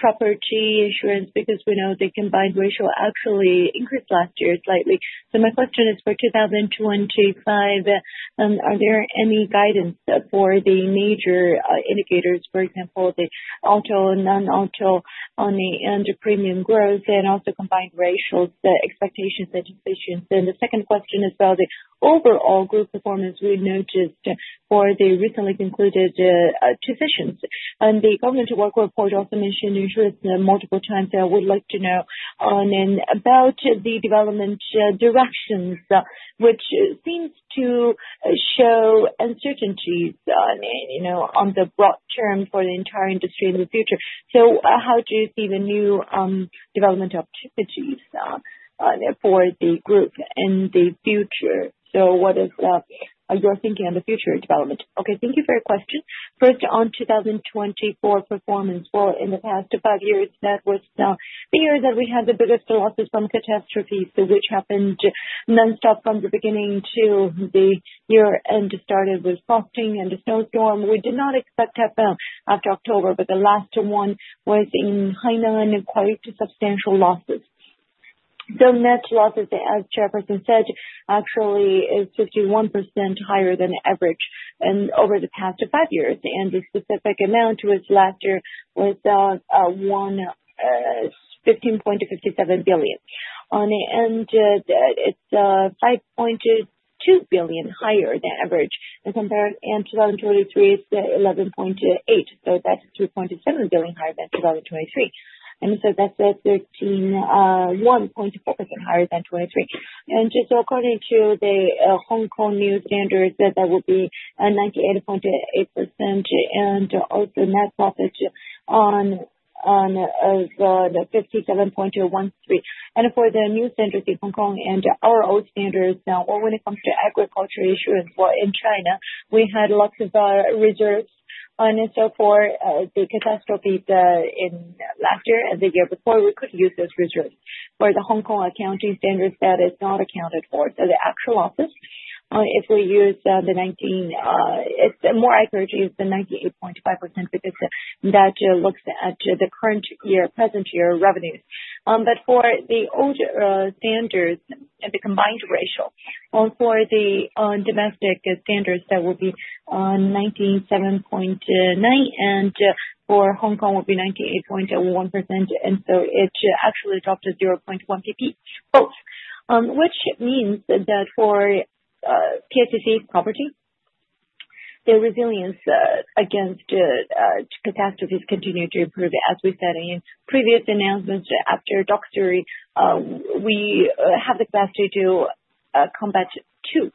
property insurance because we know the combined ratio actually increased last year slightly. My question is for 2025: are there any guidance for the major indicators? For example, the auto and non-auto on the premium growth and also combined ratios, expectations and dimensions. The second question is about the overall group performance. We noticed for the recently concluded sessions and the government work report also mentioned insurance multiple times. I would like to know one about the development directions, which seem to show uncertainties in the long term for the entire industry in the future. So how do you see the new development of ESG for the group in the future? So what is your thinking on the future development? Okay, thank you for your question. First on 2024 performance, well, in the past five years that was now the year that we had the biggest losses from catastrophes which happened non-stop from the beginning to the end of the year and started with freezing and a snowstorm we did not expect happen after October but the last one was in Hainan quite substantial losses. So net losses as Jefferson said actually is 51% higher than average over the past five years. And the specific amount was last year was 15.57 billion. On the end it's 5.2 billion higher than average compared in 2023 it's 11.8. So that's 2.7 billion higher than 2023 and so that's 1.4% higher than 23. Just according to the Hong Kong new standards that would be 98.8% and also net profit on the 57.13. For the new standards in Hong Kong and our old standards when it comes to agricultural insurance and what in China we had lots of reserves on and so for the catastrophe in last year and the year before we could use those reserves for the Hong Kong accounting standards that is not accounted for the actual losses if we use the IFRS more accurate is the 98.5% because that looks at the current year present year revenues but for the old standards the combined ratio for the domestic standards that will be 97.9% and for Hong Kong will be 98.1% and so it actually dropped 0.1 percentage points both which means that for PICC P&C their resilience against catastrophes continues to improve as we said in previous announcements after Doksuri we have the capacity to combat two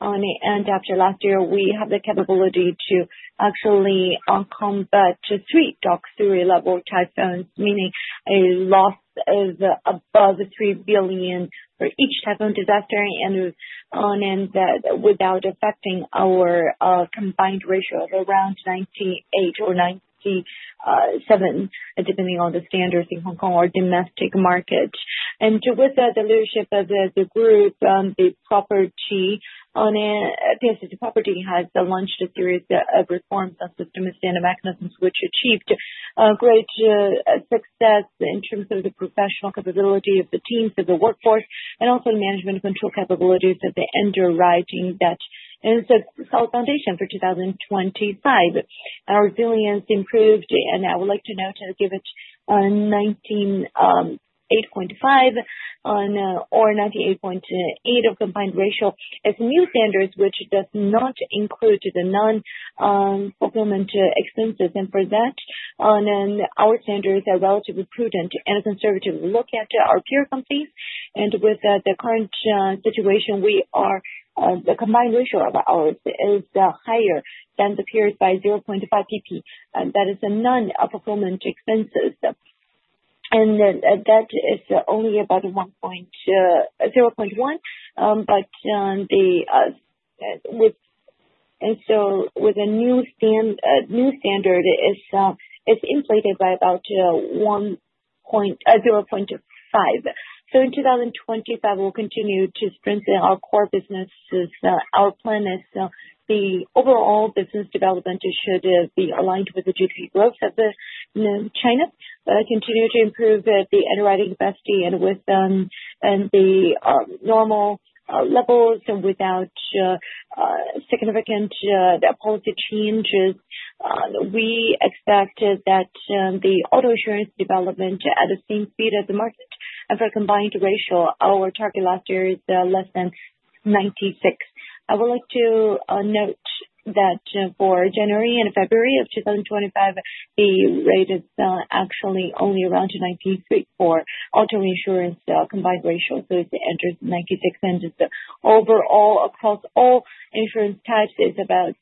and after last year we have the capability to actually combat three Doksuri level typhoons meaning a loss of above 3 billion for each typhoon disaster and in the end without affecting our combined ratio of around 98% or 97% depending on the standards in Hong Kong or domestic market and with the leadership of the group the PICC Property and Casualty has launched a series of reforms on system standard mechanisms which achieved great success in terms of the professional capability of the teams of the workforce and also the management control capabilities of the underwriting thus solid foundation for 2025 our resilience improved and I would like to note 98.5% or 98.8% combined ratio as new standards which does not include the non-fulfillment expenses and for that our standards are relatively prudent and conservative look at our peer companies and with the current situation we are the combined ratio of ours is higher than the peers by 0.5 percentage points that is the non-fulfillment expenses and that is only about 0.1 but the and so with a new standard it's inflated by about 0.5 so in 2025 we'll continue to strengthen our core business. Our plan is to now the overall business development should be aligned with the GDP growth of China continue to improve the underwriting capacity and with the normal levels and without significant policy changes we expect that the auto insurance development at the same speed as the market and for a combined ratio our target last year is less than. I would like to note that for January and February of 2025 the rate is actually only around 93 for auto insurance combined ratio, so it enters 96 cents. Overall across all insurance types is about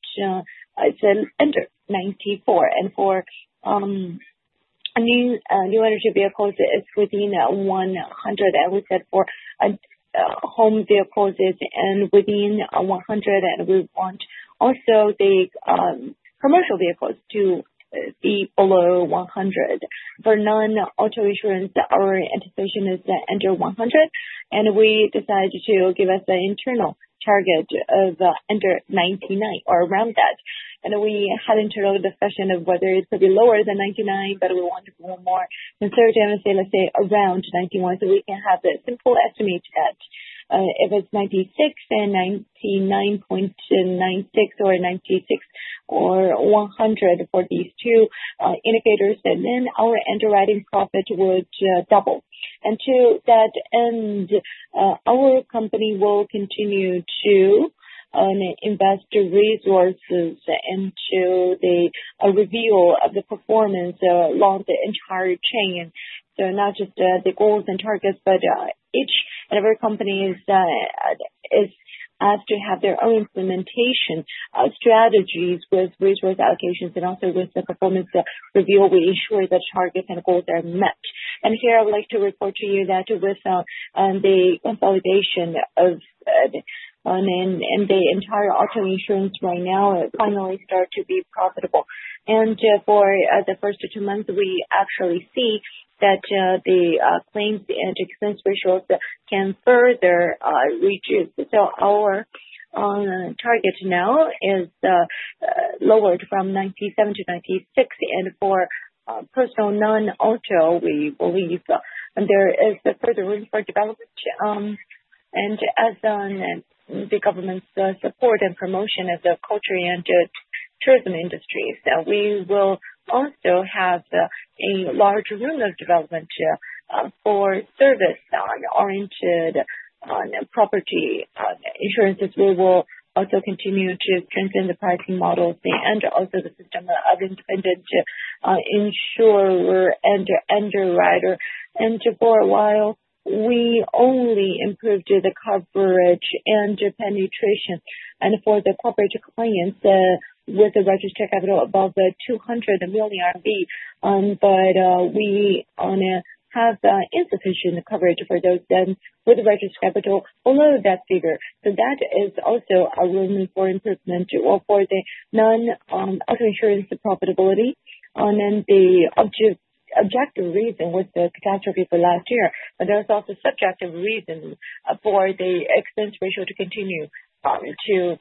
under 94, and for new energy vehicles it's within 100 as we said for non-vehicles and within 100, and we want also the commercial vehicles to be below 100. For non auto insurance our anticipation is under 100, and we decided to give us an internal target of under 99 or around that, and we had internal discussion of whether it could be lower than 99, but we want to go more around 91. We can have a simple estimate that if it's 90 and 99.96 or 96 or 100 for these two indicators, and then our underwriting profit would double. To that end, our company will continue to invest resources into the review of the performance along the entire chain. Not just the goals and targets, but each and every company is asked to have their own implementation of strategies with resource allocations and also with the performance review, we ensure the targets and goals are met. Here I would like to report to you that with the consolidation of the entire auto insurance right now finally start to be profitable. For the first two months we actually see that the claims and expense ratios can further reduce. Our target now is lowered from 97% to 96%. For personal non-auto we believe there is further room for development. As the government's support and promotion of the culture-oriented tourism industries, we will also have a large room for development for service-oriented property insurance. We will also continue to strengthen the pricing models, and also the systems are independent to ensure our underwriting. And for a while we only improved the coverage and penetration for the corporate clients with the registered capital above 200 million RMB, but we have insufficient coverage for those with registered capital below that figure. So that is also a room for improvement for the non-auto insurance profitability, and then the objective reason with the catastrophe for last year. But there's also subjective reason for the expense ratio to continue to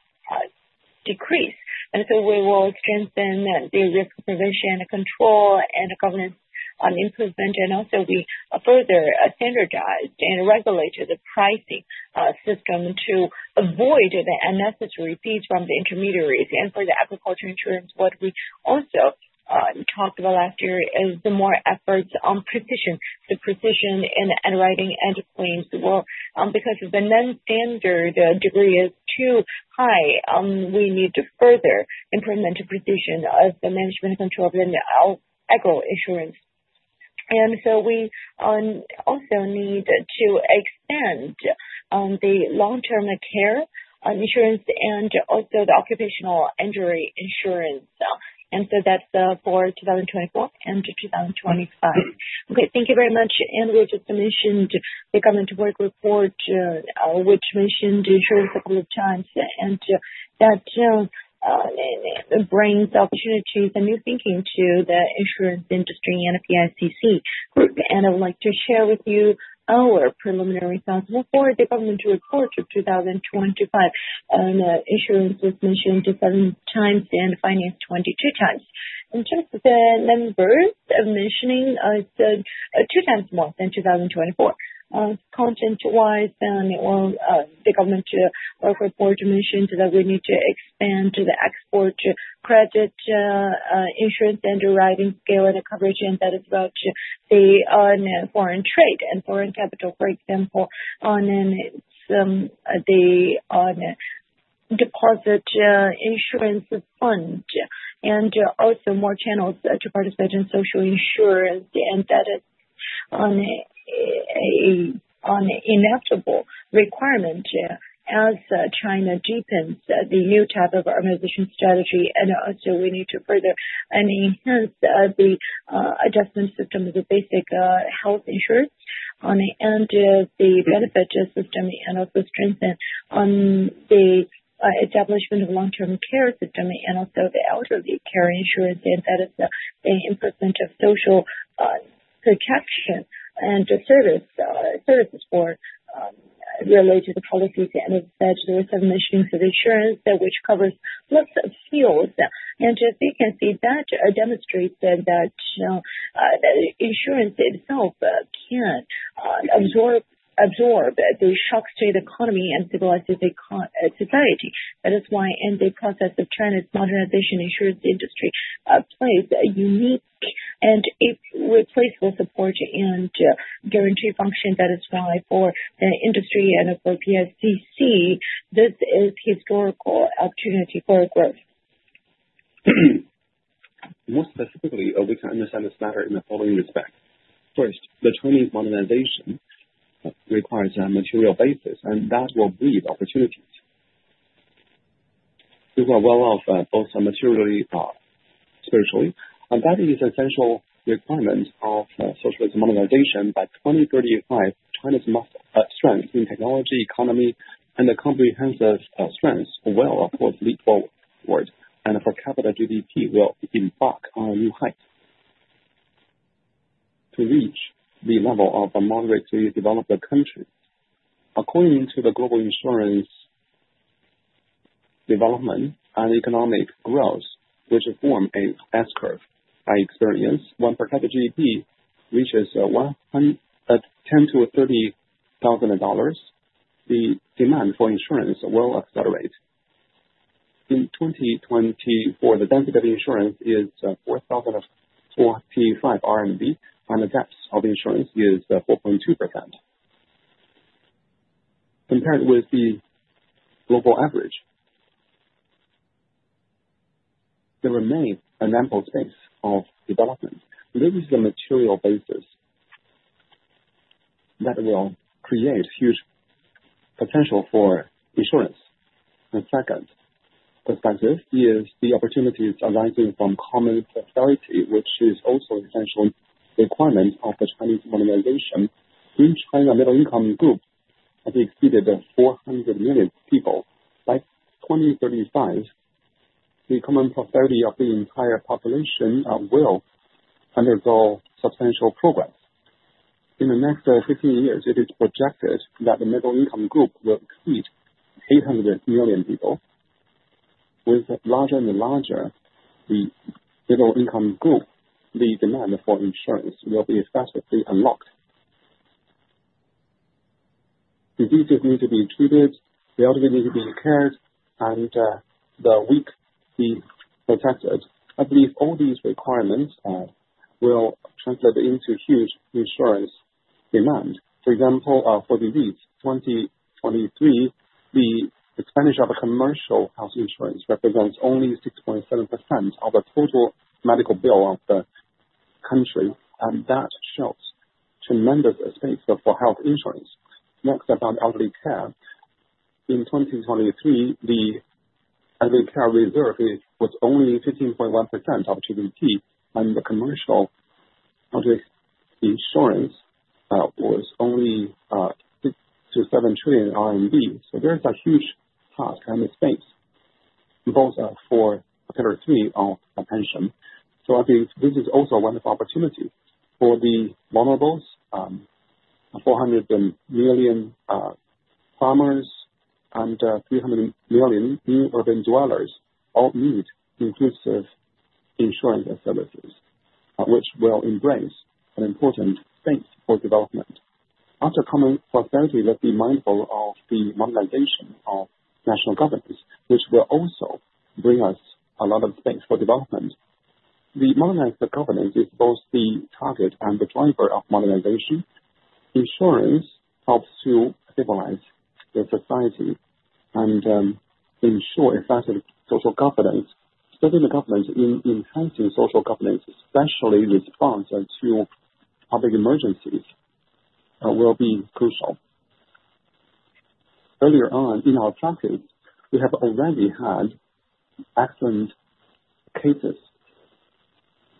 decrease. And so we will strengthen the risk prevention, control and governance improvement. And also, we further standardized and regulated the pricing system to avoid the unnecessary fees from the intermediaries. And for the agriculture insurance, what we also talked about last year is the more efforts on precision, so the precision in underwriting and claims. Well, because the non-standard degree is too high, we need to further implement precision of the management control of the agri insurance. And so we also need to expand the long-term care insurance and also the occupational injury insurance. And so that's for 2024 and 2025. Okay, thank you very much. And we just mentioned the government work report which mentioned insurance a couple of times. And that brings opportunities and new thinking to the insurance industry. PICC and I would like to share with you our preliminary sample for the government report of 2025. Insurance was mentioned seven times and finance 22 times. In terms of the numbers mentioning two times more than 2024 content-wise. The government report mentioned that we need to expand the export credit insurance underwriting scale and coverage and that is about the foreign trade and foreign capital for example on deposit insurance fund and also more channels to participate in social insurance and that is an inevitable requirement as China deepens the new type of urbanization strategy and also we need to further enhance the adjustment system of the basic health insurance and the endowment benefit system and also strengthen the establishment of long term care system and also the elderly care insurance and that is the implementation of social protection and services for related policies and subsidies of insurance which covers lots of fields and as you can see that demonstrates that insurance itself can absorb the shock to the state economy and stabilize society. That is why, in the process of China's modernization, the insurance industry plays a unique and irreplaceable support and guarantee function that is vital for the industry and for PICC. This is a historical opportunity for growth. More specifically, we can understand the matter in the following. First, the Chinese modernization requires a material basis and that will breed opportunities. We are well off both materially, spiritually, that is essential requirement of socialist modernization. By 2035, China's most strengths in technology, economy and the comprehensive strength will of course lead forward and per capita GDP will embark on a new height to reach the level of a moderately developed country. According to the global insurance development and economic growth which form a S curve by experience, when per capita GDP reaches $10,000-$30,000, the demand for insurance will accelerate. In 2020 for the density of insurance is 4,045 RMB and the depth of insurance is 4.2% compared with the global average. There remain an ample space of development. This is a material basis that will create huge potential for insurance. The second perspective is the opportunities arising from common prosperity which is also essential requirement of the Chinese modernization. In China, middle income group has exceeded 400 million people by 2035, the common prosperity of the entire population will undergo substantial progress. In the next 15 years, it is projected that the middle income group will exceed 800 million people. With larger and larger the middle income group, the demand for insurance will be rapidly unlocked. Diseases need to be treated, the elderly need to be cared and the weak be protected. I believe all these requirements will translate into huge insurance demand. For example, for the year 2023, the expenditure of commercial health insurance represents only 6.7% of the total medical bill of the country and that shows tremendous expense for health insurance. Next up on elderly care in 2023, the reserve was only 15.1% of GDP, and the commercial insurance was only 6 trillion-7 trillion RMB. So there's a huge task in this space both for pillar three of pension. So I think this is also a wonderful opportunity for the vulnerable. 400 million farmers and 300 million new urban dwellers all need inclusive insurance services which will embrace an important space for development after coming prosperity. Let's be mindful of the modernization of national governance which will also bring us a lot of space for development. The modernized governance is both the target and the driver of modernization. Insurance helps to stabilize society and ensure effective social governance. Stabilizing and enhancing social governance, especially the response to public emergencies, will be crucial. Earlier on in our practice, we have already had excellent cases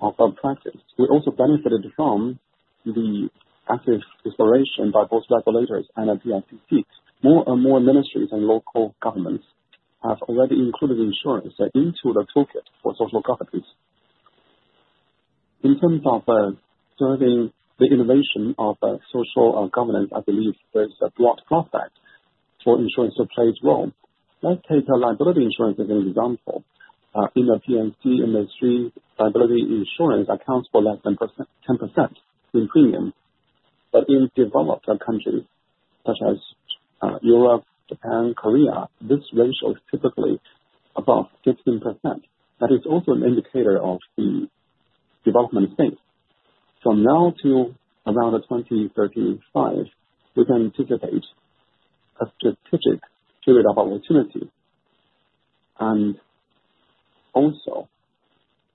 of practice. We also benefited from the active exploration by both regulators and PICC. More and more ministries and local governments have already included insurance into the toolkit for social governance. In terms of serving the innovation of social governance, I believe there's a broad prospect for insurance to play its role. Let's take liability insurance as an example. In the P&C industry, liability insurance accounts for less than 10% in premium but in developed countries such as Europe, Japan, Korea, this ratio is typically above 15%. That is also an indicator of the development stage from now to around 2035, we can anticipate a strategic period of opportunity and also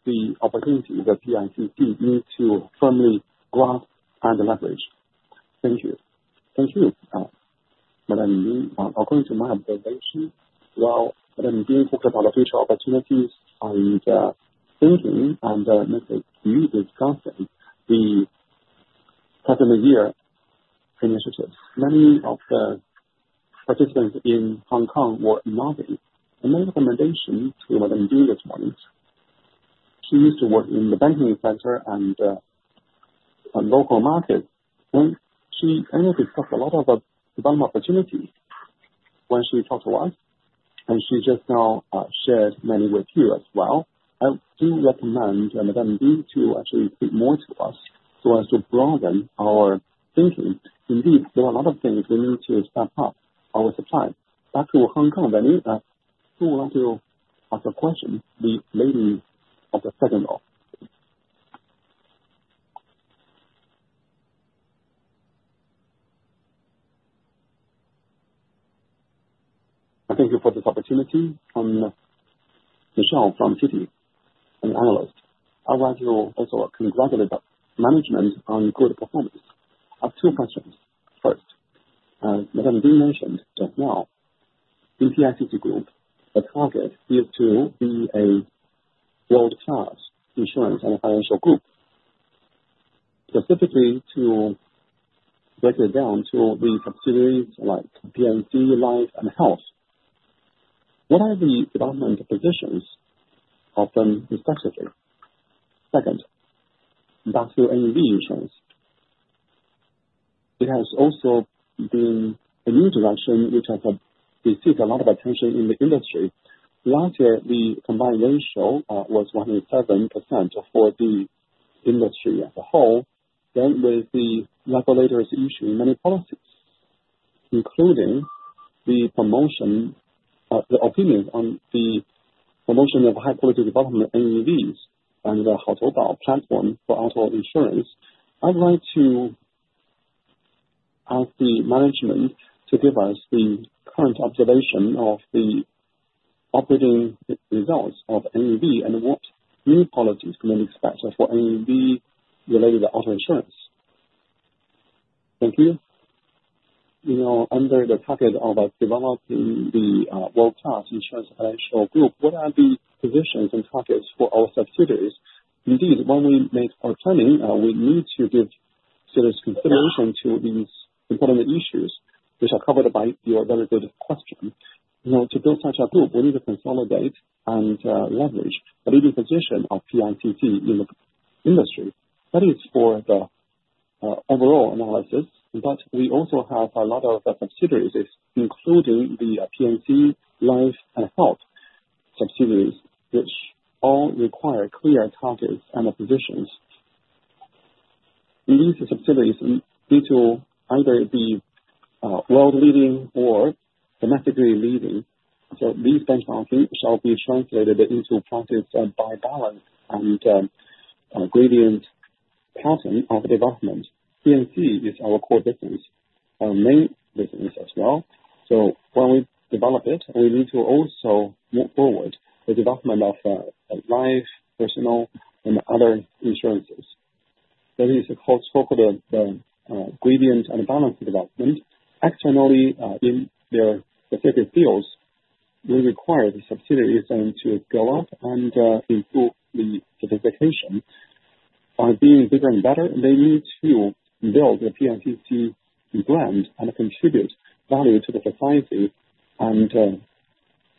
the opportunity that PICC needs to firmly grasp and leverage. Thank you. Thank you. According to my observation, well, Madame Ding being focused on the future opportunities and thinking and messaging you're discussing the customer year initiatives. Many of the participants in Hong Kong were nodding and my recommendation was in doing this morning she used to work in the banking sector and local markets and she ended up discussed a lot of opportunities when she talked to us and she just now shared many with you as well. I do recommend Madame Ding to actually speak more to us so as to broaden our thinking. Indeed, there are a lot of things we need to step up our supply. Back to Hong Kong Benny, who would like to ask a question? The lady in the second row. Thank you for this opportunity. Michelle from Citi, an analyst. I'd like to also congratulate the management on good performance. I have two questions. First, as Madame Ding mentioned just now, PICC Group the target is to be a world-class insurance and financial group. Specifically to break it down to the subsidiaries like PICC Life and PICC Health what are the development positions of NEV Insurance? It has also been a new direction which has received a lot of attention in the industry. Last year the combined ratio was 107% for the industry as a whole. Then with the regulators issuing many policies, including the promotion, the opinions on the promotion of high quality development NEVs and the whole platform for auto insurance. I'd like to ask the management to give us the current observation of the operating results of NEV and what new policies can we expect for NEV related auto insurance. Thank you. You know, under the target of developing the world-class insurance financial group, what are the positions and targets for our subsidiaries? Indeed, when we make our timing, we need to give so there's consideration to these important issues which are covered by your very good question. To build such a group, we need to consolidate and leverage the leading position of PICC in the industry. That is for the overall analysis. But we also have a lot of subsidiaries, including the P&C life and health subsidiaries which all require clear targets and positions. These subsidiaries need to either be world leading or domestically leading. So these benchmarking shall be translated into practice by balance and gradient pattern of development. P&C is our core business, our main business as well. So when we develop it, we need to also move forward the development of life, personal and other insurances. That is called gradual and balanced development externally in their specific fields. We require the subsidiaries then to upgrade and improve their capabilities to be bigger and better. They need to build a P&C brand and contribute value to the society and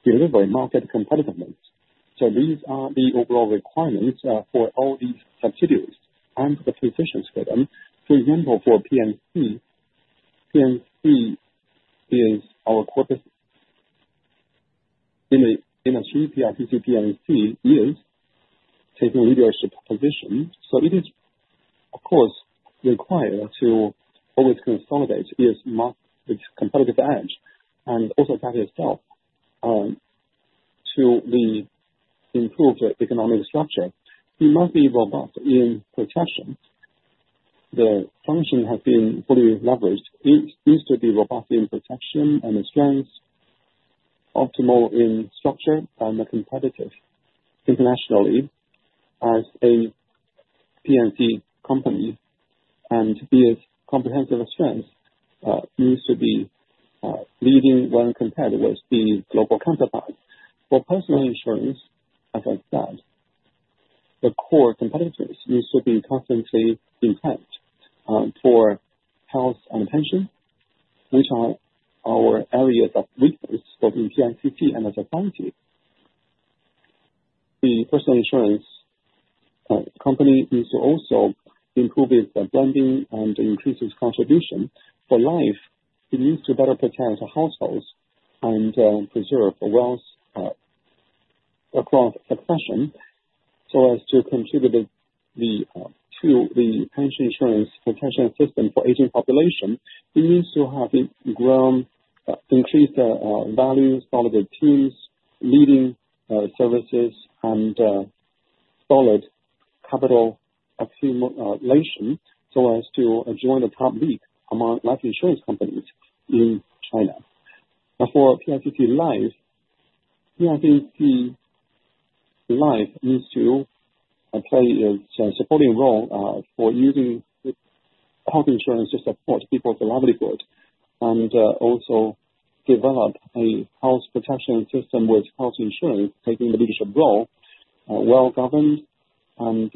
deliver market competitiveness. So these are the overall requirements for all these subsidiaries and the positions for them. For example, for P&C, P&C is our core sub in the PICC Group. P&C is taking leadership position. So it is of course required to always consolidate its competitive edge and also attach itself to the improved economic structure. We must be robust in protection. The function has been fully leveraged. It needs to be robust in protection and strength optimal in structure and competitive internationally as a P&C company and its comprehensive strength needs to be leading when compared with these global counterparts for personal insurance. As I said, the core competitors used to be constantly in place for health and pension which are our areas of weakness for the PICC and as a company. The personal insurance company needs to also improve its branding and increase its contribution for life. It needs to better protect households and preserve wealth across generations so as to contribute to the pension insurance protection system for aging population. It needs to have growth increased value, solid teams leading services and solid capital accumulation so as to join the top league among life insurance companies in China. For PICC Life P&C, Life needs to play its supporting role for using health insurance to support people's livelihood and also develop a health protection system with health insurance taking the leadership role well governed and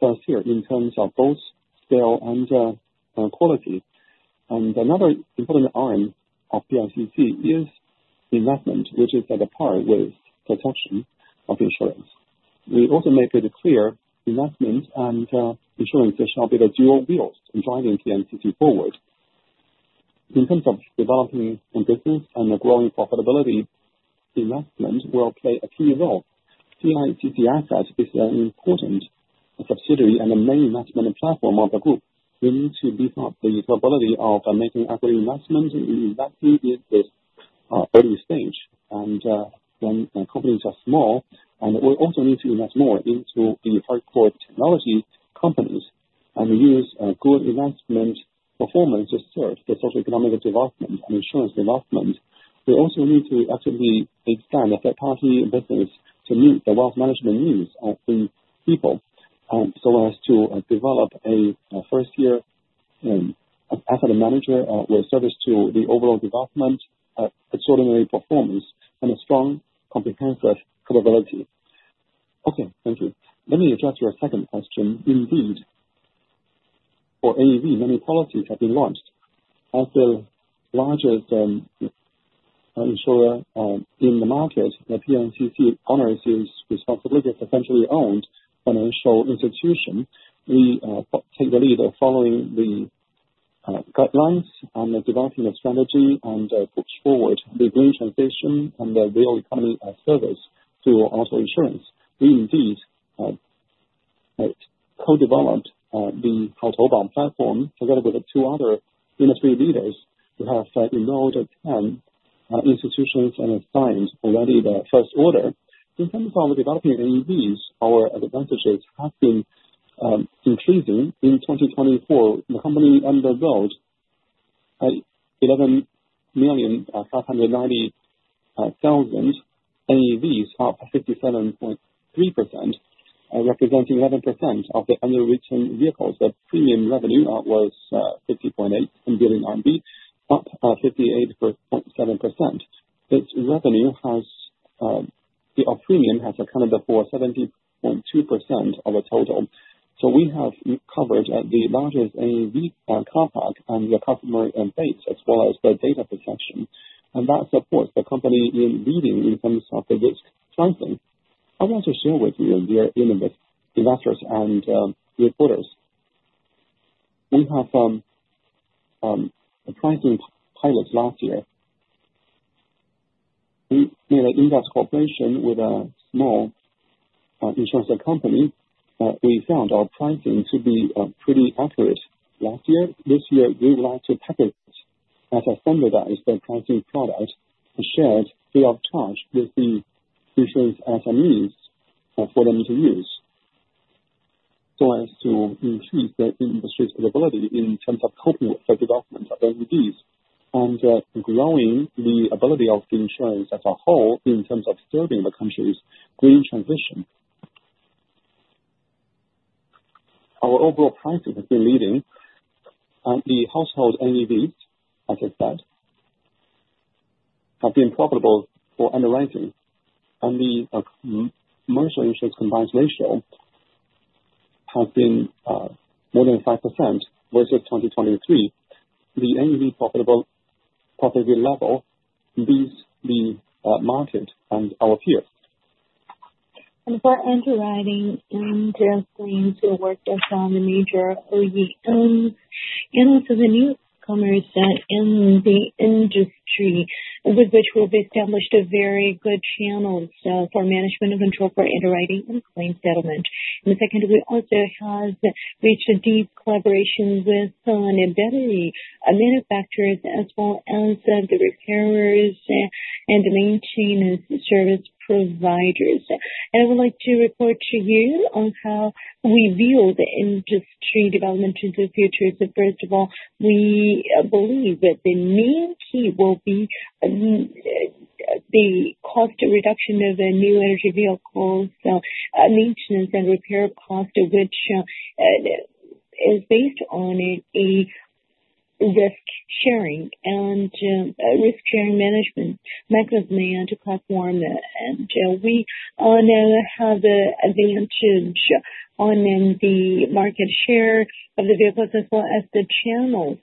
first-tier in terms of both scale and quality. Another important arm of PICC is investment, which is at par with protection of insurance. We also make it clear investment and ensuring there shall be the dual wheels in driving PICC forward in terms of developing a business and growing profitability. Investment will play a key role. PICC Asset is an important subsidiary and main investment platform of the group. We need to beef up the capability of making equity investments in PE/VC early stage and when companies are small. And we also need to invest more into the hardcore technology companies and use good investment performance to serve the socio-economic development and insurance development. We also need to actually expand the third party business to meet the wealth management needs of the people so as to develop a first-class asset manager with service to the overall development, extraordinary performance and a strong comprehensive capability. Okay, thank you. Let me address your second question. Indeed, for NEV, many policies have been launched. As the largest insurer in the market, the PICC owns the responsibility as a centrally owned financial institution. We take the lead in following the guidelines and developing a strategy and push forward the green transition from the real economy service to auto insurance. We indeed co-developed the carbon platform together with the two other industry leaders who have enrolled 10 institutions and signed already the first order. In terms of developing NEVs, our advantages have been increasing. In 2024 the company underwrote 11,590,000 NEVs, up 57.3%, representing 11% of the underwritten vehicles. The premium revenue was 50.8 billion RMB, up 58%. Its premium revenue has accounted for 70.2% of the total. So we have covered the largest NEV market and the customer base as well as the data protection and that supports the company in leading in terms of the risk pricing. I want to share with you, dear investors and reporters. We have a pricing pilot. Last year we made an industry cooperation with a small insurance company. We found our pricing to be pretty accurate last year. This year we would like to package as a standardized pricing product, share it free of charge with the insurance as a means for them to use so as to increase the industry's capability in terms of coping with the development of NEVs and growing the ability of insurance as a whole. In terms of serving the country's green transition, our overall prices have been leading the household NEVs. As I said, have been profitable for underwriting and the commercial insurance combined ratio has been more than 5% versus 2023. The new profitability level beats the market and our peers. And for underwriting to work with on the major OEMs and also the newcomers that in the industry with which will be established very good channels for management of control for underwriting and claim settlement. And second, we also have reached a deep collaboration with battery manufacturers as well as the repairers and maintenance service providers. And I would like to report to you on how we view the industry development in the future. First of all, we believe that the main key will be the cost reduction of new energy vehicles maintenance and repair cost, which is based on a risk sharing and risk sharing management mechanism and platform. And we now have the advantage on the market share of the vehicles as well as the channels.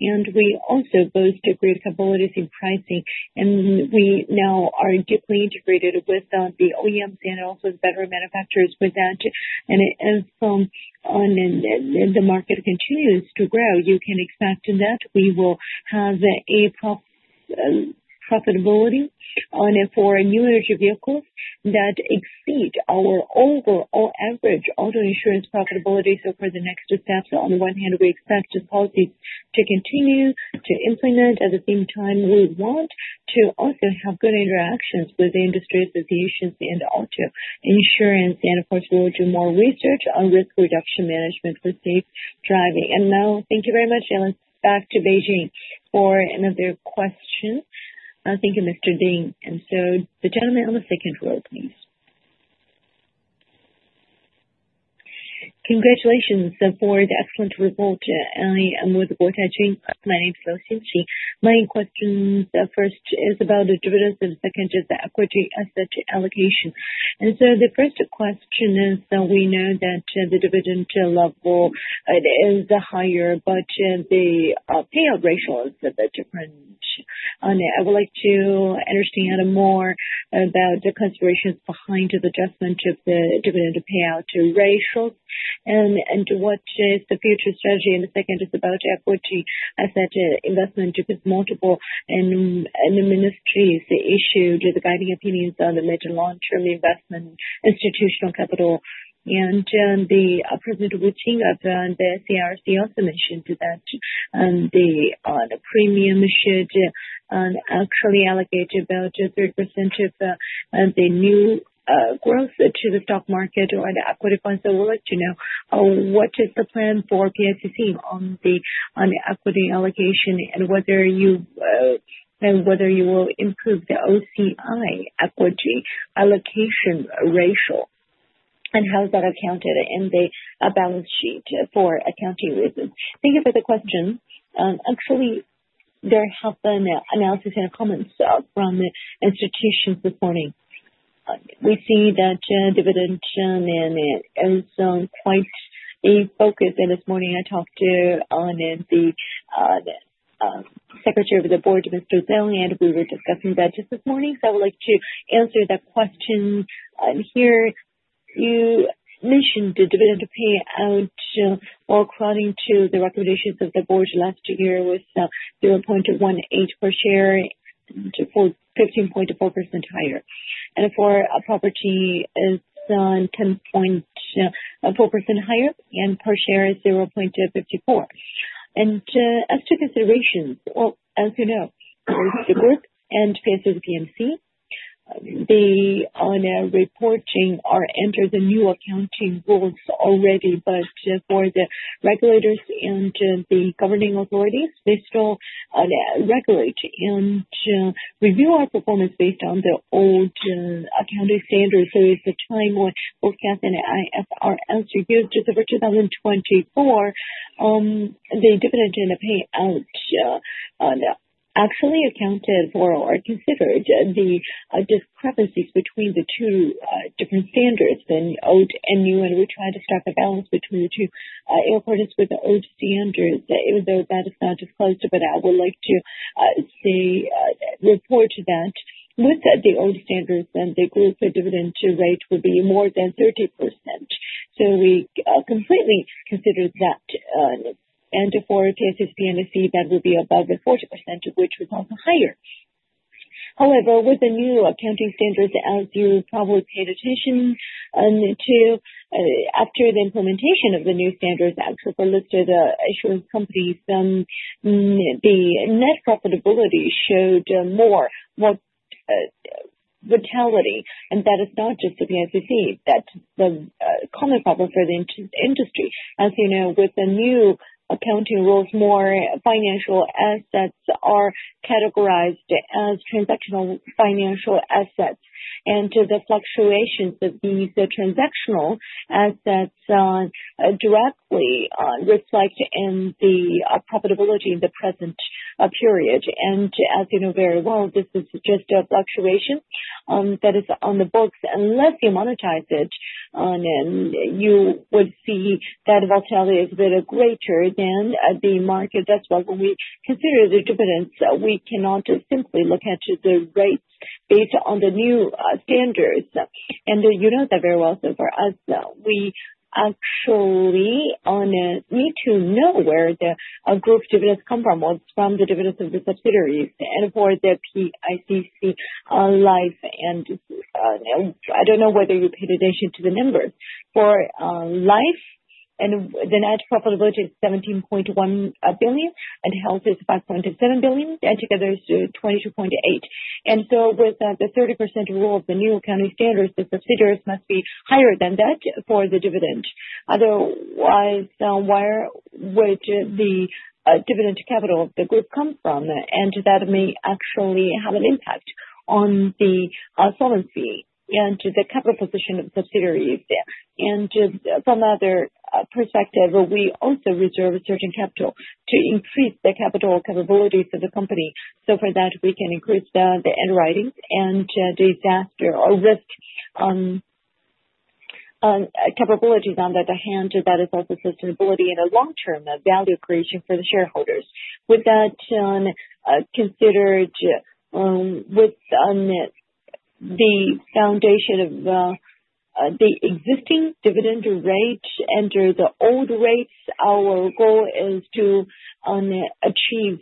We also boast great capabilities in pricing and we now are deeply integrated with the OEMs and also better manufacturers with that. The market continues to grow. You can expect that we will have a profitability on it for new energy vehicles that exceed our overall average auto insurance profitability. For the next two steps, on the one hand, we expect the policy to continue to implement. At the same time, we want to also have good interactions with the industry associations and auto insurance. Of course we will do more research on risk reduction management for safe driving. Now thank you very much, Alice. Back to Beijing for another question. Thank you, Mr. Ding. The gentleman on the second row, please. Congratulations for the excellent report. I am with CITIC. My name is Luo Xinxi. My question first is about the dividends and second is the equity asset allocation. And so the first question is we know that the dividend level is higher, but the payout ratio. I would like to understand more about the considerations behind the adjustment of the dividend payout ratios and what is the future strategy. And the second is about equity asset investment with multiple ministries issued the guiding opinions on the mid- and long-term investment, institutional capital and the President Wu Qing. The CSRC also mentioned that the pension should actually allocate about 3% of the new growth to the stock market or the equity funds. I would like to know what is the plan for PICC on the equity allocation and whether you will improve the OCI equity allocation ratio and how is that accounted in the balance sheet for accounting reasons. Thank you for the question. Actually there have been analysis and comments from institutions this morning. We see that dividend is quite a focus. And this morning I talked to the Secretary of the board, Mr. Zeng, and we were discussing that just this morning. So I would like to answer that question here. You mentioned the dividend payout, while according to the recommendations of the board last year was 0.18 per share, 15.4% higher. And for property it's 10.4% higher and per share is 0.54. And as to considerations and PICC P&C, they are now reporting under the new accounting rules already. But for the regulators and the governing authorities, they still regulate and review our performance based on the old accounting standards. So it's the time when forecast and IFRS 17 December 2024, the dividend payout actually accounted for or considered the discrepancies between the two different standards. In old and new we try to strike a balance between the two aspects with the old standards, even though that is not disclosed. But I would like to report that with the old standards then the group dividend rate will be more than 30%. So we completely consider that. And for PICC P&C that would be above 40% which was also higher. However, with the new accounting standards, as you probably paid attention to after the implementation of the new standards, actual listed insurance companies, the net profitability showed more vitality. And that is not just the PICC that the common problem for the industry, as you know, with the new accounting rules, more financial assets are categorized as transactional financial assets. And the fluctuations of these transactional assets directly reflect in the profitability in the present period. As you know very well, this is just a fluctuation that is on the books. Unless you monetize it, you would see that volatility is a bit greater than the market. That's why when we consider the dividends, we cannot simply look at the rates based on the new standards. You know that very well. For us we actually need to know where the group dividends come from, the dividends of the subsidiaries and for the PICC Life and I don't know whether you paid attention to the numbers for Life and the net profitability is 17.1 billion and health is 5.7 billion and together it's 22.8 billion. With the 30% rule of the new accounting standards, the subsidiaries must be higher than that for the dividend. Otherwise where would the dividend capital the group? And that may actually have an impact on the solvency and the capital position of subsidiaries. And from other perspective, we also reserve certain capital to increase the capital capabilities of the company. So for that we can increase the underwriting and disaster or risk capabilities. On the other hand, that is also sustainability and a long-term value creation for the shareholders. With that considered with the foundation of the existing dividend rate and the old rates. Our goal is to achieve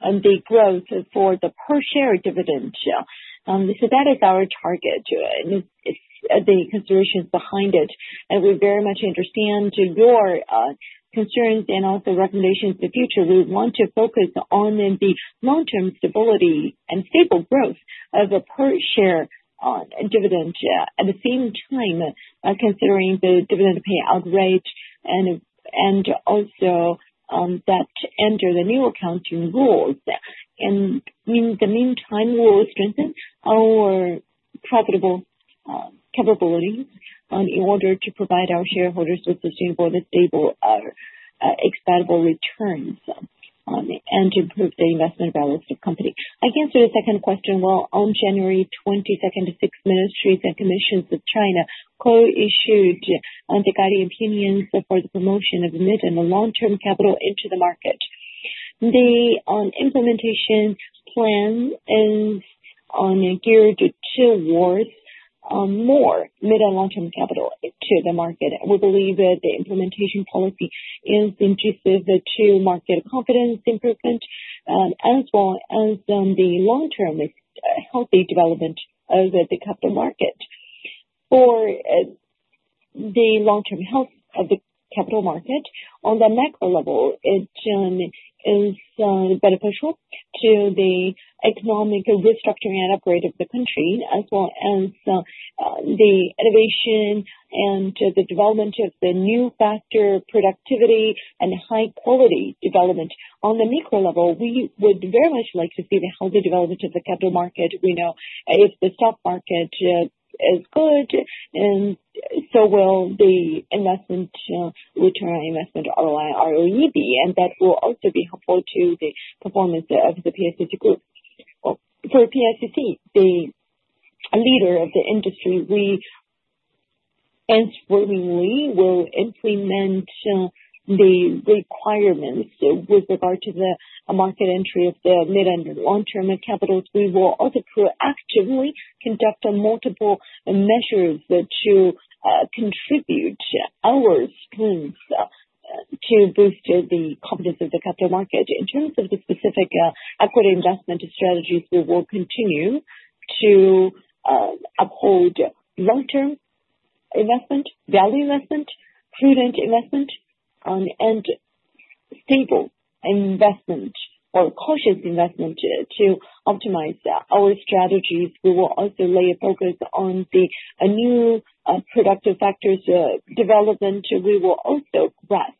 the growth for the per share dividend, so that is our target. The considerations behind it and we very much understand your concerns and also recommendations. In the future we want to focus on the long term stability and stable growth of a per share dividend, at the same time considering the dividend payout rate and also as we enter the new accounting rules. And in the meantime we will strengthen our profitable capabilities in order to provide our shareholders with sustainable and stable appreciable returns and to improve the investment balance of the company. I can answer the second question. Well, on January 22, six ministries and commissions of China co-issued the guiding opinions for the promotion of mid- and long-term capital into the market, the implementation plan and geared towards more mid- and long-term capital to the market. We believe the implementation policy is conducive to market confidence improvement as well as the long term healthy development of the capital market. For the long term health of the capital market on the macro level, it is beneficial to the economic restructuring and upgrade of the country as well as the innovation and the development of the new quality productive forces and high quality development. On the micro level, we would very much like to see the healthy development of the capital market. We know if the stock market is good and so will the investment return on investment ROI ROE be and that will also be helpful forward to the performance of the PICC Group. For PICC, the leader of the industry, we accordingly will implement the requirements with regard to the market entry of the mid and long term capitals. We will also proactively conduct multiple measures to contribute our strength to boost the confidence of the capital market. In terms of the specific equity investment strategies, we will continue to uphold long-term investment, value investment, prudent investment, and stable investment or cautious investment. To optimize our strategies, we will also lay a focus on the new quality productive forces development. We will also grasp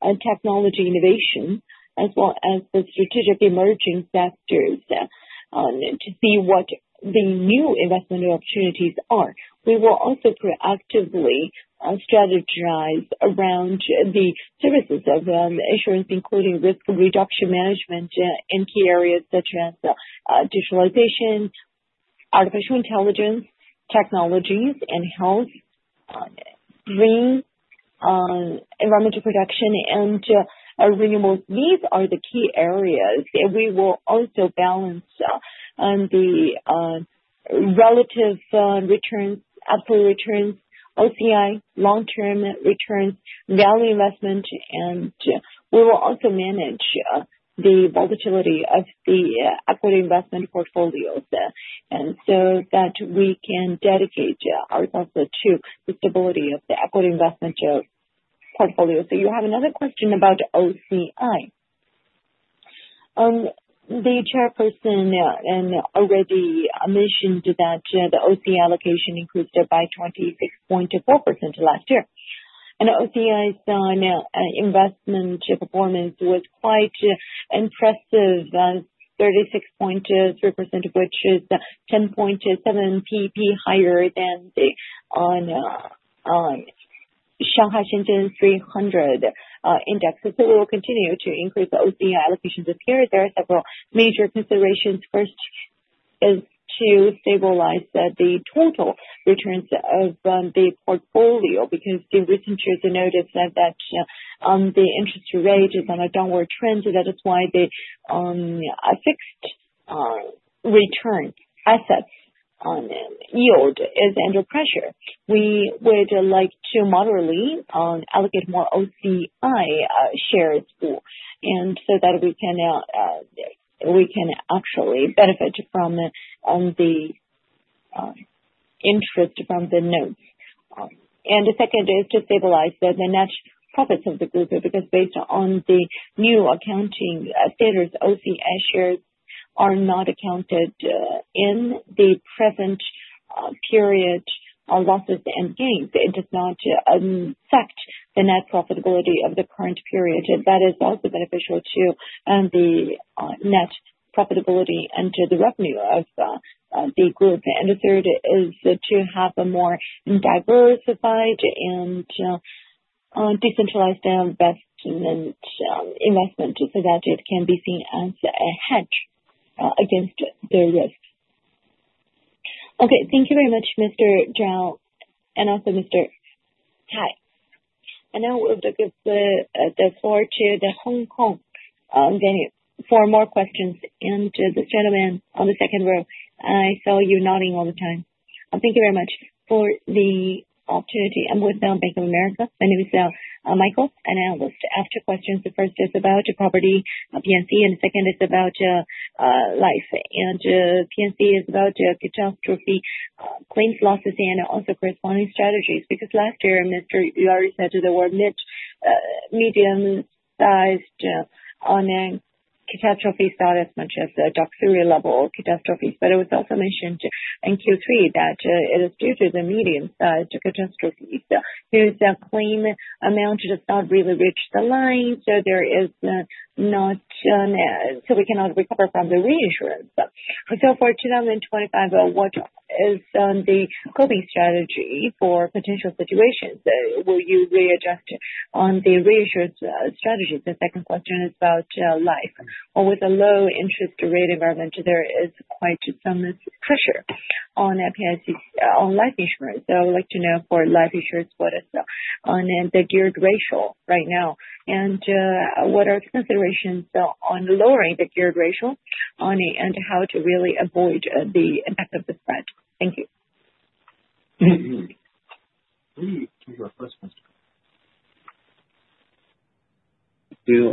technology innovation as well as the strategic emerging sectors to see what the new investment opportunities are. We will also proactively strategize around the services of insurance including risk reduction management in key areas such as digitalization, artificial intelligence technologies, and health, green, environmental protection, and renewables. These are the key areas. We will also balance the relative returns, absolute returns, OCI, long term returns, value investment and we will also manage the volatility of the equity investment portfolios and so that we can dedicate ourselves to the stability of the equity investment portfolio. You have another question about OCI? The Chairperson already mentioned that the OCI allocation increased by 26.4% last year. OCI equity investment performance was quite impressive 36.3% of which is 10.7 percentage points higher than the Shanghai Shenzhen 300 index. We will continue to increase the OCI allocation this period. There are several major considerations. First is to stabilize the total returns of the portfolio because in recent years notice that the interest rate is on a downward trend. That is why the fixed return assets yield is under pressure. We would like to moderately allocate more OCI shares and so that we can actually benefit from the interest from the notes. And the second is to stabilize the net profits of the group because based on the new accounting status, OCI shares are not accounted in the present period losses and gains. It does not affect the net profitability of the current period. That is also beneficial to the net profitability and the revenue of the group. And the third is to have a more diversified and decentralized investment so that it can be seen as a hedge against the risk. Okay, thank you very much, Mr. Zhao and also Mr. Cai. I now turn the floor to the Hong Kong venue for more questions. And this gentleman on the second row, I saw you nodding all the time. Thank you very much for the opportunity. I'm with Bank of America. My name is Michael, and I have two questions. The first is about property PNC, and the second is about life. And PNC is about catastrophe claims losses and also corresponding strategies. Because last year Mr. Yu Ze said the word mid-sized medium-sized on a catastrophe, not as much as Doksuri catastrophes. But it was also mentioned in Q3 that it is due to the medium-sized catastrophes whose claim amount does not really reach the line. So there is not. So we cannot recover from the reinsurance. So for 2025, what is the coping strategy for potential situation? Will you readjust on the reinsurance strategy? The second question is about life in a low interest rate environment. There is quite some pressure on life insurance. I would like to know for life insurance, what is the gearing ratio right now and what are the considerations on lowering the gearing ratio and how to really avoid the effect of the spread. Thank you.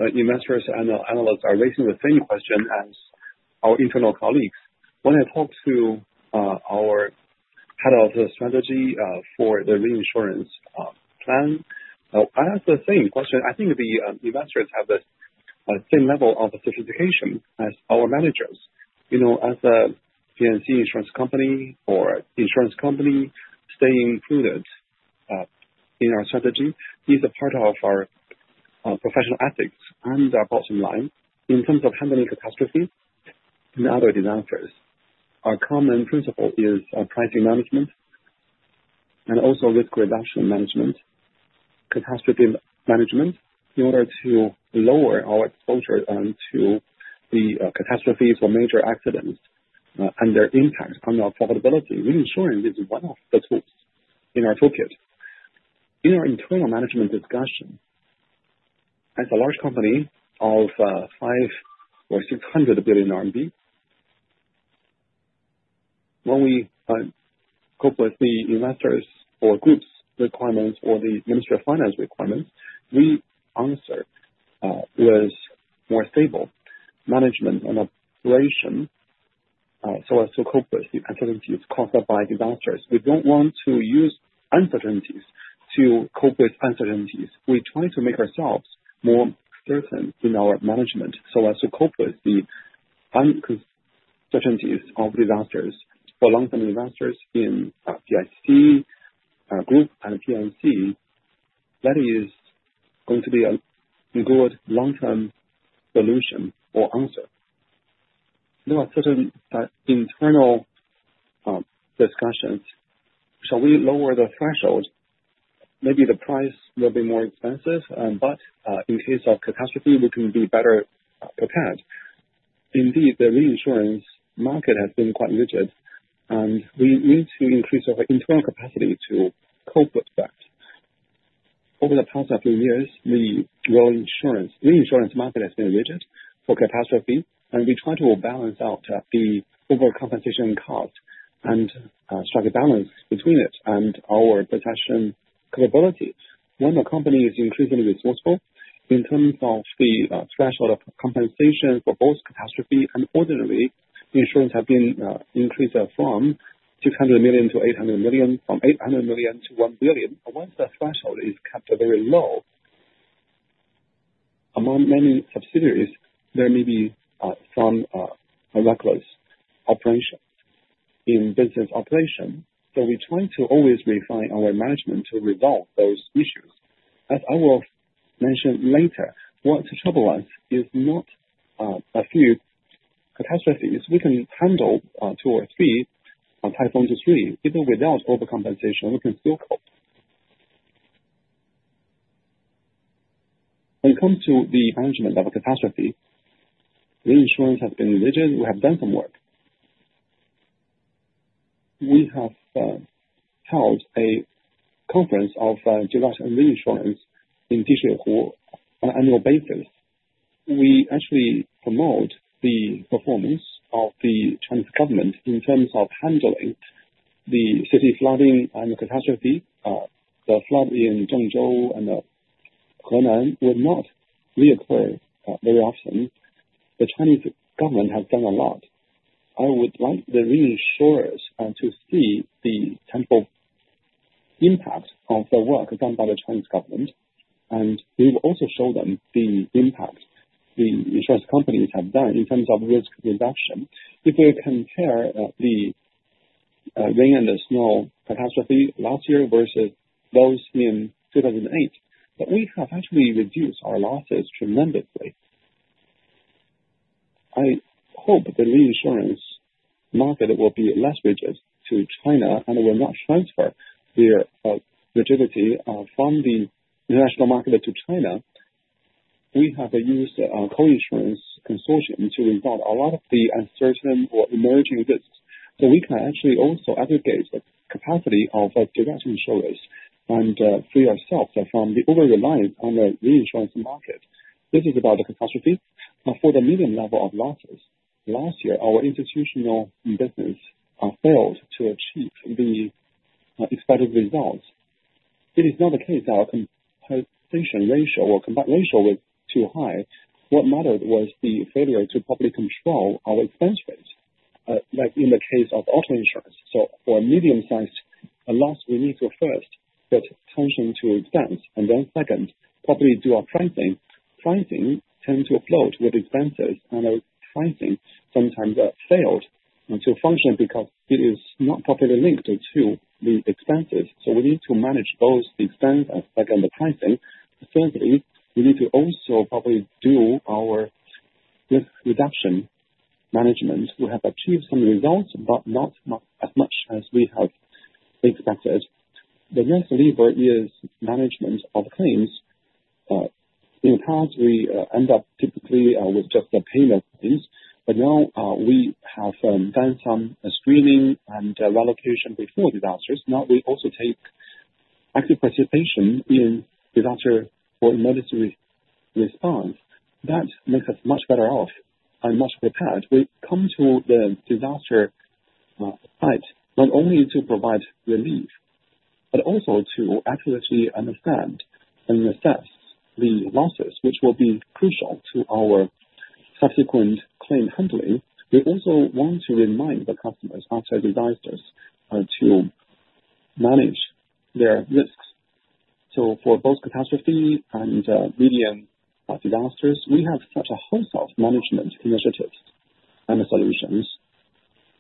Investors and analysts are raising the same question as our internal colleagues. When I talk to our head of strategy for the reinsurance plan, I asked the same question. I think the investors have the same level of certification as our managers. You know, as a PICC insurance company or insurance company staying included in our strategy. These are part of our professional ethics and our bottom line in terms of handling catastrophe and other disasters. Our common principle is pricing management and also risk reduction management. Catastrophe management in order to lower our exposure to the catastrophes or major accidents and their impact on our profitability. Reinsurance is one of the tools in our toolkit in our internal management discussion. As a large company of five or 600 billion RMB, when we cope with the matters or Group's requirements or the Ministry of Finance requirements, we answer with more stable management and operation so as to cope with the activities caused by disasters. We don't want to use uncertainties to cope with uncertainties. We try to make ourselves more certain in our management so as to cope with the uncertainties of disasters. For long-term investors in PICC Group and PICC P&C, that is going to be a good long-term solution or answer. There are certain internal discussions. Shall we lower the threshold? Maybe the price will be more expensive but in case of catastrophe we can be better prepared. Indeed, the reinsurance market has been quite rigid and we need to increase our internal capacity to cope with that. Over the past few years, the reinsurance market has been rigid for catastrophe, and we try to balance out the overcompensation cost and strike a balance between it and our protection capability when the company is increasingly resourceful. In terms of the threshold of compensation for both catastrophe and ordinary insurance, it has been increased from 600 million to 800 million, from 800 million to 1 billion. Once the threshold is kept very low among many subsidiaries, there may be some reckless operations in business operation. So we try to always refine our management to resolve those issues. As I will mention later, what troubles us is not a few catastrophes. We can handle two or three typhoon to three. Even without overcompensation, we can still cope. When it comes to the management of a catastrophe, reinsurance has been legit. We have done some work. We have held a conference of GI. flood and reinsurance on an annual basis. We actually promote the performance of the Chinese government in terms of handling the city flooding and catastrophe. The flood in Zhengzhou and Henan will not recur very often. The Chinese government has done a lot. I would like the reinsurers to see the tangible impact of the work done by the Chinese government and we will also show them the impact the insurance companies have done in terms of risk reduction. If we compare the rain and the snow catastrophe last year versus those in 2008, we have actually reduced our losses tremendously. I hope the reinsurance market will be less rigid to China and will not transfer their rigidity from the international market to China. We have used coinsurance consortium to resolve a lot of the uncertain or emerging risks. So we can actually also aggregate the capacity of direct insurance and free ourselves from the over-reliance on the reinsurance market. This is about the catastrophe for the medium level of losses last year. Our institutional business failed to achieve the expected results. It is not the case. Our combined ratio was too high. What mattered was the failure to properly control our expense ratio like in the case of auto insurance. So for medium-sized losses we need to first pay attention to expense and then second probably do our pricing. Pricing tends to float with expenses and pricing sometimes failed to function because it is not properly linked to the expenses. So we need to manage both the expense and second the pricing. Thirdly, we need to also probably do our risk reduction management. We have achieved some results, but not as much as we have expected. The next lever is management of claims. In the past we end up typically with just the payment claims, but now we have done some screening and relocation before disasters. Now we also take active participation in disaster or emergency. That makes us much better off and much prepared. We come to the disaster site not only to provide relief, but also to accurately understand and assess the losses which will be crucial to our subsequent claim handling. We also want to remind the customers after disasters to manage their risks. So for both catastrophe and medium disasters we have such a host of management initiatives and solutions.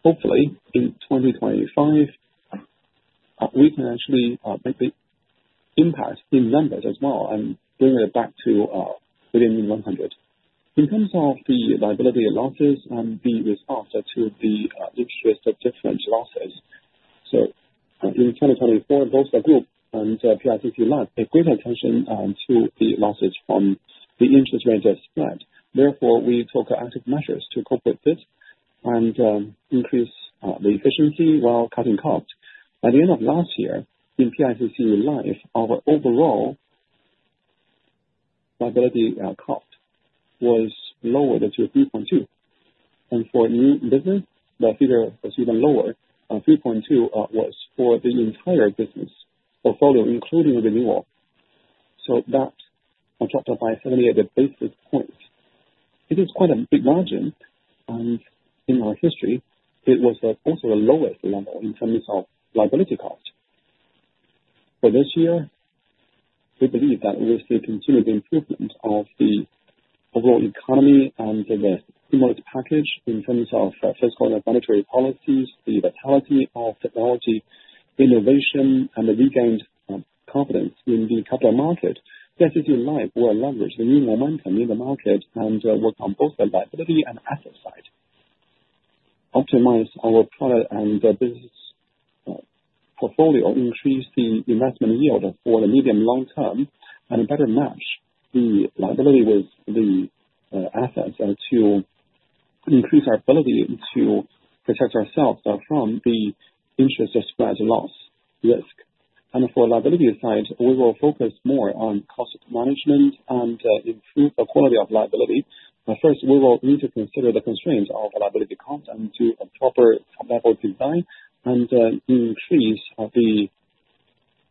Hopefully in 2025 we can actually make the impact in numbers as well and bring it back to within 100 in terms of the liability losses and the response to the interest with different losses, so in 2024 both the group and PICC Life paid greater attention to the losses from the interest rate spread. Therefore, we took active measures to cope with this and increase the efficiency while cutting cost. By the end of last year in PICC Life, our overall liability cost was lowered to 3.2 and for new business the figure was even lower. 3.2 was for the entire business portfolio including renewal, so that dropped by 78 basis points. It is quite a big margin and in our history it was also the lowest level in terms of liability cost. For this year, we believe that we see continued improvement of the overall economy and the macro package in terms of fiscal monetary policies, the vitality of technology innovation and the regained confidence in the capital market. The PICC Group will leverage the new momentum in the market and work on both the liability and asset side, optimize our product and business portfolio, increase the investment yield for the medium long term and better match the liability with the assets to increase our ability to protect ourselves from the interest spread loss risk and for liability side, we will focus more on cost management and improve the quality of liability. But first we will need to consider the constraints of liability costs and do a proper level design and increase the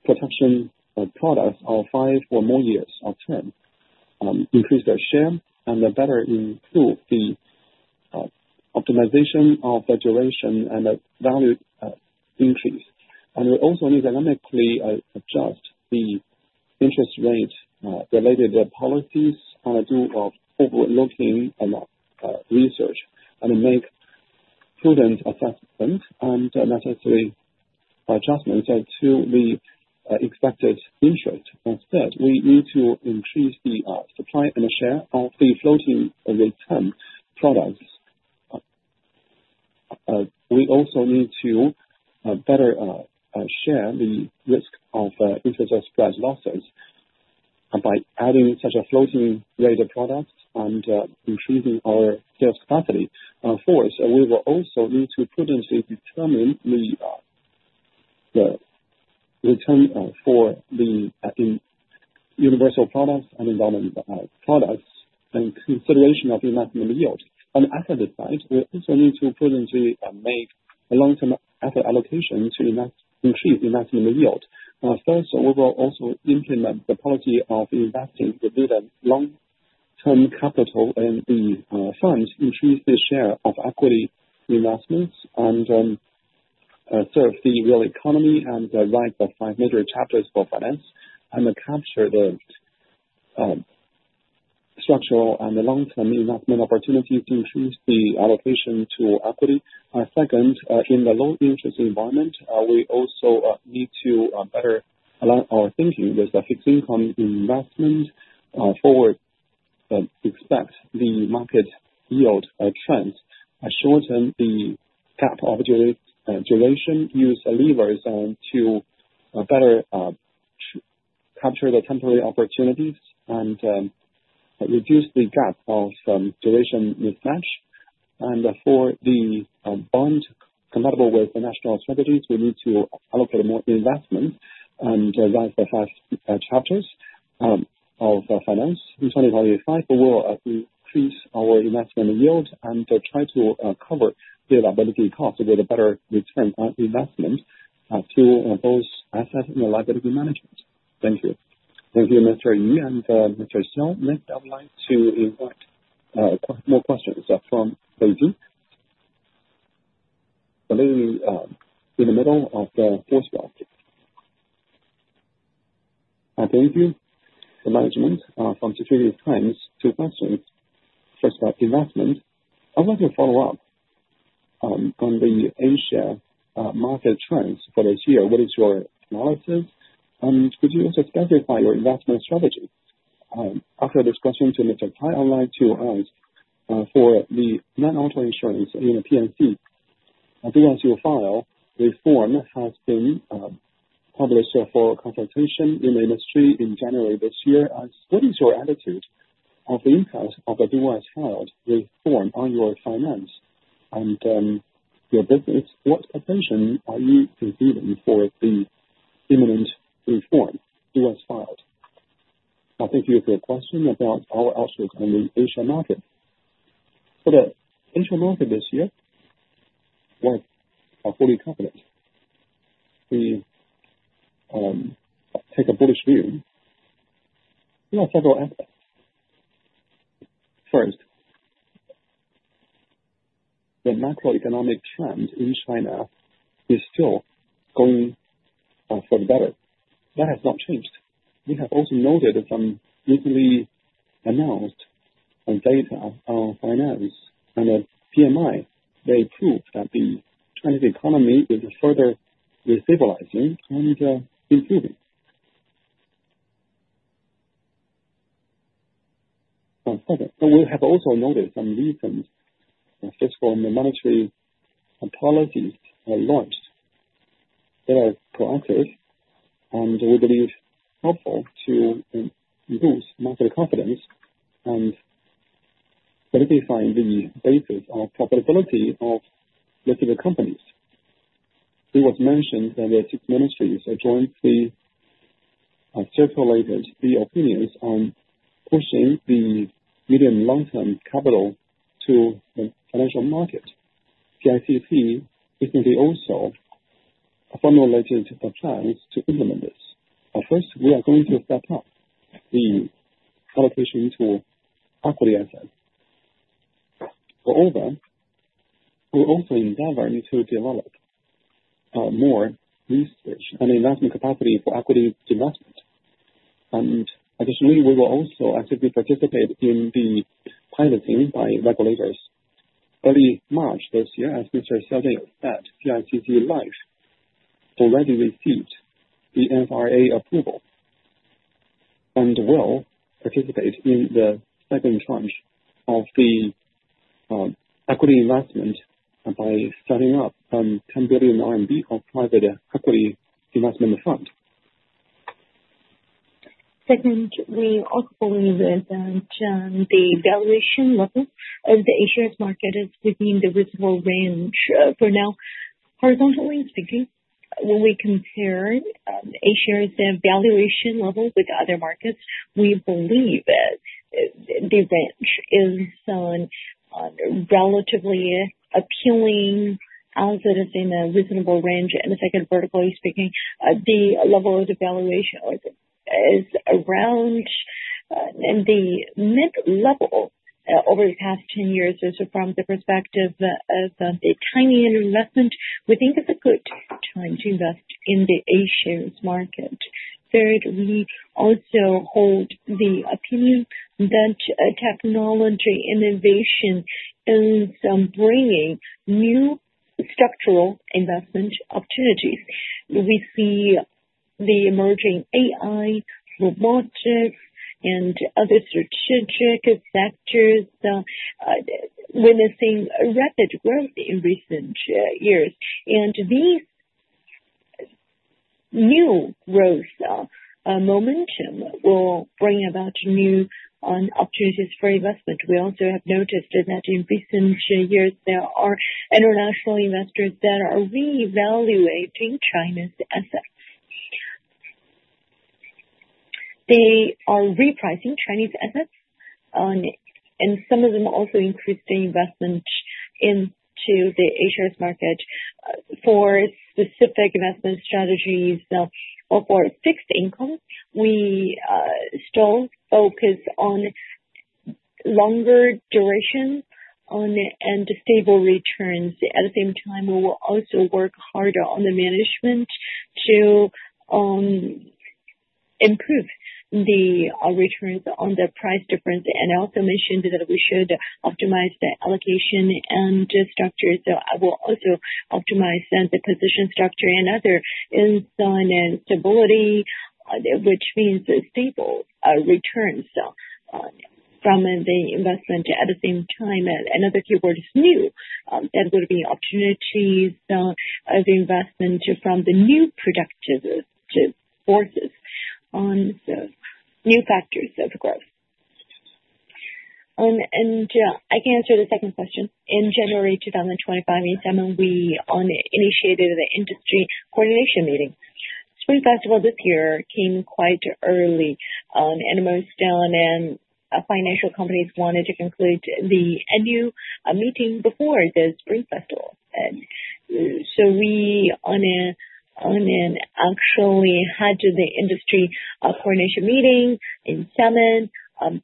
production products of five or more years of term, increase their share and better improve the optimization of the duration and value increase. And we also need dynamically adjust the interest rate related policies on a dual of overlooking research and make prudent assessment and necessary adjustments to the expected interest. Instead, we need to increase the supply and share of the floating products. We also need to better share the risk of interest price losses by adding such a floating rate of products and increasing our sales capacity force. We will also need to prudently determine the return for the universal products and environmental products and consideration of the maximum yield. On the asset side, we also need to prudently make a long-term asset allocation to increase investment yield. We will also implement the policy of investing the dividend long-term capital in the fund, increase the share of equity investments and serve the real economy and write the five major chapters for finance and capture the structural and long-term investment opportunities to increase the allocation to equity. Second, in the low interest environment, we also need to better align our thinking with the fixed income investment forward, expect the market yield trend, shorten the cap of duration, use levers to better capture the temporary opportunities and reduce the gap of duration mismatch and for the bond compatible with the national strategies, we need to allocate more investment and that's the first chapters of finance. In 2025 we will increase our investment yield and try to cover the liability cost with a better return on investment to both asset and liability management. Thank you. Thank you Mr. Yu and Mr. Xiao. Next I would like to invite more questions from Beijing in the middle of the fourth block. Thank you. The management from Securities Times. Two questions. First, investment. I'd like to follow up on the insurance market trends for this year. What is your analysis and could you also specify your investment strategy? After this question to Mr. Cai, I'd like to ask for the non-auto insurance in PICC P&C. The DRG/DIP reform has been published for consultation in the industry in January this year. What is your attitude of the impact of the DRG/DIP reform on your finance and your business? What preparation are you considering for the imminent reform of IFRS? I thank you for your question about our outlook on the Asia market. For the Asia market this year, fully confident, we take a bullish view. There are several aspects. First, the macroeconomic trend in China is still going for the better. That has not changed. We have also noted some recently announced data on finance and PMI. They proved that the Chinese economy is further restabilizing, improving. We have also noticed some recent fiscal and monetary policies launched that are proactive and we believe helpful to boost market confidence and verify the basis of profitability of vertical companies. It was mentioned that the six ministries jointly circulated the opinions on pushing the medium- and long-term capital to the financial market. PICC recently also formulated the plans to implement this first. We are going to step up the allocation to equity asset. Moreover, we're also endeavoring to develop more research and investment capacity for equity investment and additionally we will also actively participate in the piloting by regulators early March this year. As Mr. Xiao Jianyou said, PICC Life already received the NFRA approval and will participate in the second tranche of the equity investment by setting up 10 billion RMB of private equity investment fund. Second, we also believe that the valuation level of the insurance market is within the reasonable range for now. Horizontally speaking, when we compare A shares valuation level with other markets, we believe that the range is relatively appealing and in a reasonable range. Second, vertically speaking, the level of valuation is around the mid level over the past 10 years. From the perspective of the long-term investment, we think it is a good time to invest in the A shares market. Third, we also hold the opinion that technology innovation is bringing new structural investment opportunities. We see the emerging AI, robotics and other such tech-centric sectors witnessing rapid growth in recent years and these new growth momentum will bring about new opportunities for investment. We also have noticed that in recent years there are international investors that are reevaluating China's assets. They are repricing Chinese assets and some of them also increased the investment into the H-shares market. For specific investment strategies for fixed income, we still focus on longer duration and stable returns. At the same time, we will also work harder on the management to improve the returns on the price difference and I also mentioned that we should optimize the allocation and structure so I will also optimize the position structure and other stability which means stable returns from the investment. At the same time another keyword is new that would be opportunities of investment from the new quality productive forces and new factors of growth and I can answer the second question. In January 2025 we initiated the Industry Coordination Meeting Spring Festival. This year came quite early. Financial companies wanted to conclude the annual meeting before the Spring Festival, so we actually had the Industry Coordination Meeting in January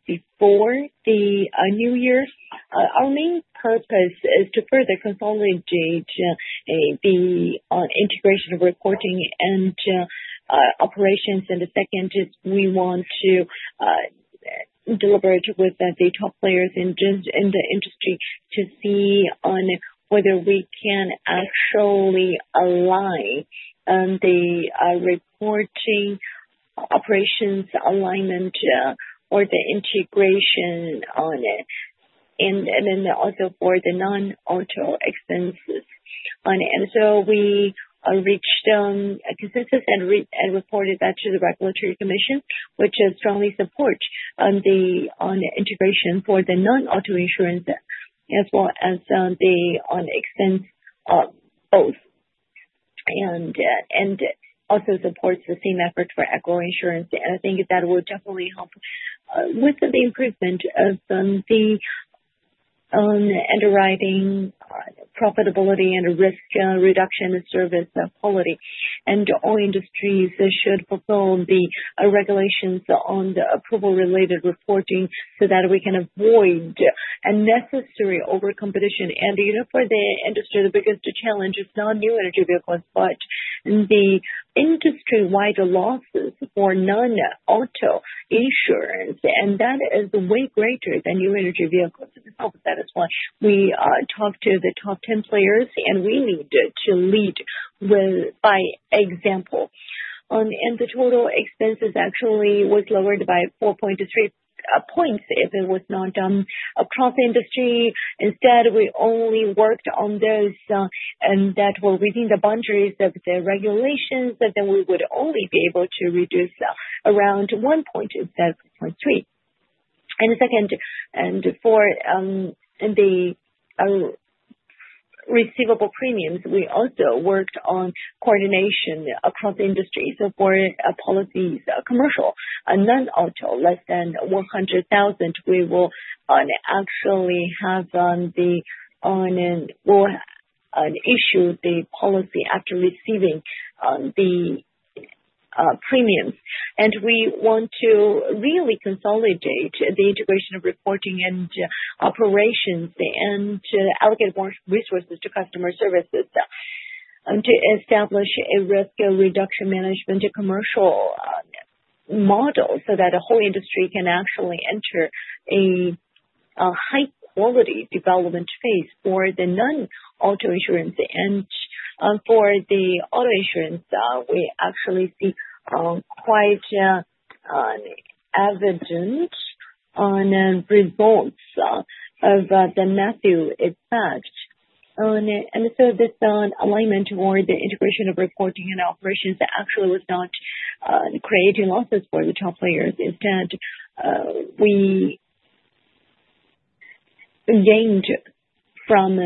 before the new year. Our main purpose is to further consolidate the integration of reporting and operations. The second is we want to deliberate with the top players in the industry to see on whether we can actually align the reporting, operations alignment or the integration on it. Then also for the non-auto expenses. So we reached a consensus and reported that to the regulatory commission, which strongly supports the integration for the non-auto insurance as well as the extension of both and also supports the same effort for agri insurance. I think that will definitely help with the improvement of the underwriting profitability and risk reduction service quality. All industries should fulfill the regulations on the approval-related reporting so that we can avoid unnecessary over-competition. And you know, for the industry the biggest challenge is not new energy vehicles but the industry-wide losses for non-auto insurance. And that is way greater than new energy vehicles. That is why we talk to the top 10 players and we need to lead by example. And the total expenses actually was lowered by 4.3 points if it was not done across the industry. Instead we only worked on those that were within the boundaries of the regulations. Then we would only be able to reduce around 1 point instead of 0.3. And second, for the receivable premiums we also worked on coordination across industries for policies, commercial non-auto less than 100,000. We will actually have to issue the policy after receiving the premiums. We want to really consolidate the integration of risk reporting and operations and to allocate more resources to customer services to establish a risk reduction management commercial model so that a whole industry can actually enter a high-quality development phase. For the non-auto insurance and for the auto insurance we actually see quite obvious results of the Matthew effect. And so this alignment toward the integration of reporting and operations actually was not creating losses for the top players. Instead we gained from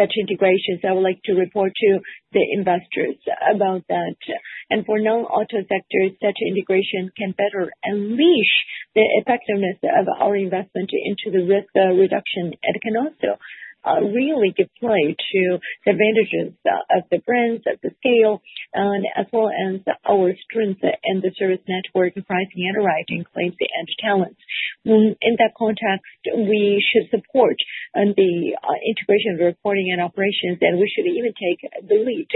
such integrations. I would like to report to the investors about that. And for non-auto sectors such integration can better unleash the effectiveness of our investment into the risk reduction and can also really give play to the advantages of the brand and scale as well as our strength in the service network, pricing, underwriting, claims, and talents. In that context we should support the integration of reporting and operations and we should even take the lead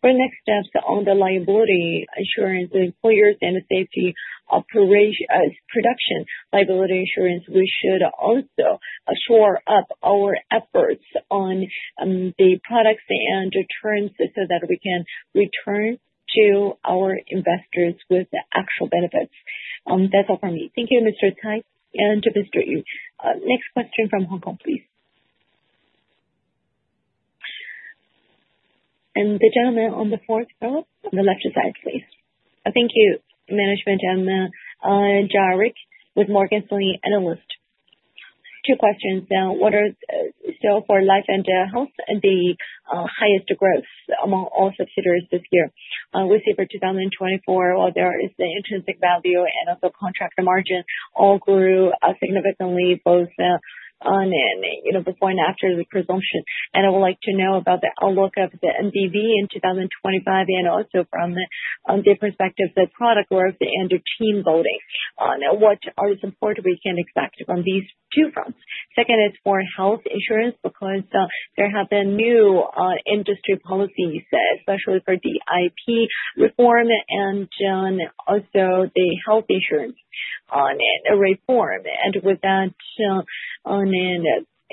for next steps on the liability insurance employers and safety operation, production liability insurance. We should also shore up our efforts on the products and returns so that we can return to our investors with actual benefits. That's all for me. Thank you, Mr. Zhao Peng, and to the best of you. Next question from Hong Kong please. And the gentleman on the fourth row on the left side please. Thank you. Management, I'm Jared with Morgan Stanley, analyst. Two questions. What is the growth for life and health? The highest growth among all subsidiaries this year. We see for 2024, while the intrinsic value and, of course, contractual service margin all grew significantly both on and off before and after the transition. I would like to know about the outlook of the NBV in 2025 and also from the perspective the product work and the team voting, what are the support we can expect from these two fronts? Second is for health insurance because there have been new industry policies especially for DIP reform and also the health insurance reform. And with that,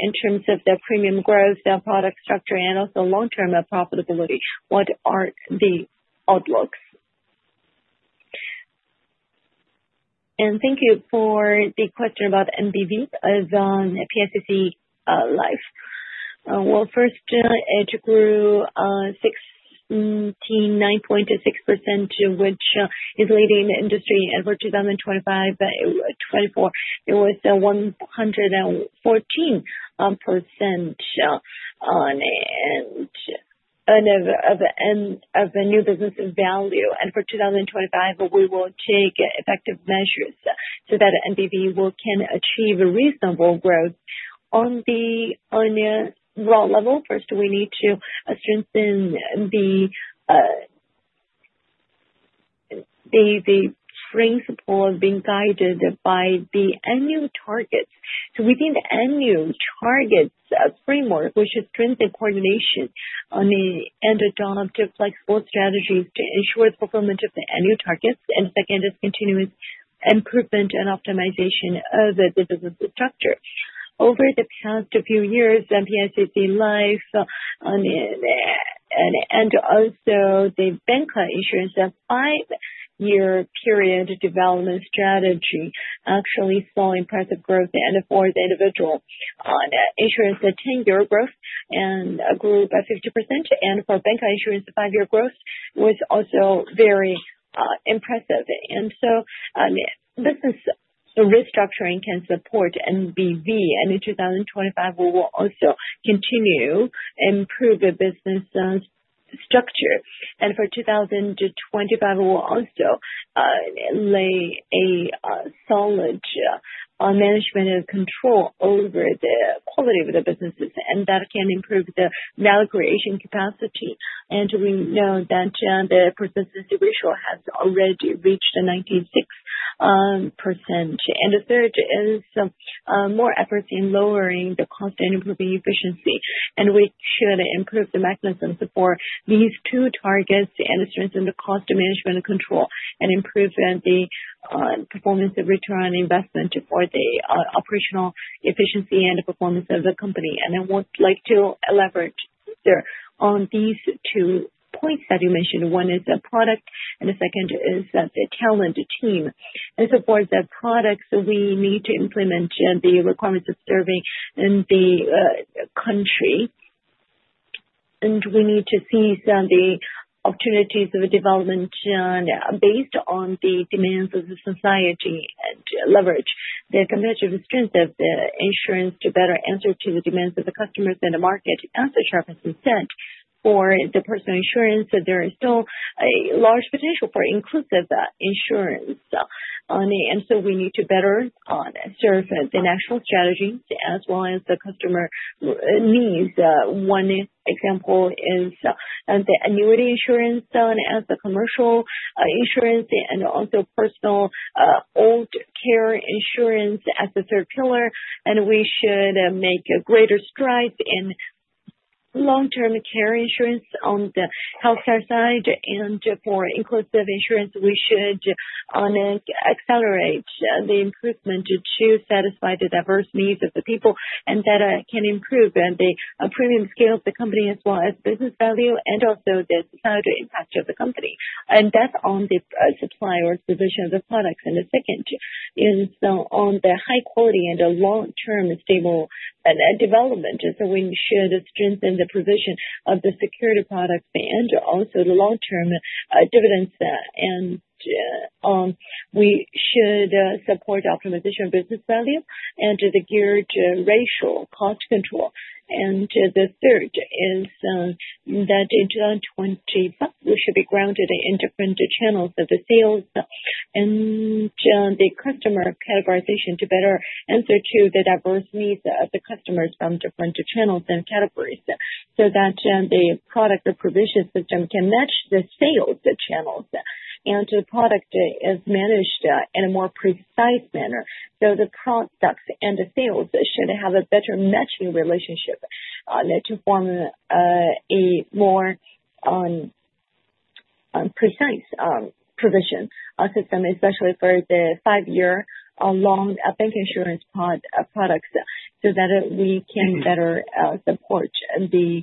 in terms of the premium growth, product structure and also long term profitability, what are the outlooks? Thank you for the question about NBV as on PICC Life. Well, first it grew 69.6% which is leading the industry. As for 2024 it was 114% of new business value and for 2025 we will take effective measures so that NBV can achieve reasonable growth on a raw level. First we need to strengthen the principle of being guided by the annual targets. So within the annual targets framework, which is strength and coordination and adoptive flexible strategies to ensure the performance of the NBV targets. And second is continuous improvement and optimization of the business structure. Over the past few years PICC Life and also the P&C Insurance a five-year period development strategy actually saw impressive growth and for the individual insurance 10-year growth and grew by 50%. And for bank insurance 5-year growth was also very impressive. And so business restructuring can support NBV and in 2025 we will also continue improve the business structure and for 2025 will also lay a solid management and control over the quality of the businesses and that can improve the value creation capacity. And we know that the combined ratio has already reached 96% and the third is more efforts in lowering the cost and improving efficiency. We should improve the mechanisms for these two targets and strengthen the cost management control and improve the performance of return on investment for the operational efficiency and performance of the company. I would like to leverage on these two points that you mentioned. One is the product and the second is the talent team. So for the products we need to implement the requirements of serving in the country and we need to seize the opportunities of development based on the demands of the society and leverage the competitive strength of the insurance to better answer to the demands of the customers in the market. Such as for the personal insurance there is still a large potential for inclusive insurance. So we need to better serve the national strategies as well as the customer needs. One example is the annuity insurance done as the commercial insurance and also personal long-term care insurance as the third pillar. And we should make greater strides in long-term care insurance on the health care side. And for inclusive insurance we should accelerate the improvement to satisfy the diverse needs of the people and that can improve the premium scale of the company as well as business value and also the societal impact of the company and that's on the supply or position of the products. In the second, on the high quality and long-term stable development. So we ensure the stably strengthen the provision of the security products and also the long-term dividends. And we should support optimization of business value and the combined ratio cost control. The third is that in 2025 we should be grounded in different channels of the sales and the customer categorization to better answer to the diversity needs of the customers from different channels and categories. So that the product provision system can match the sales channels and the product is managed in a more precise manner. So the products and the sales should have a better matching relationship to form a more precise provision system, especially for the five-year bancassurance products so that we can better support the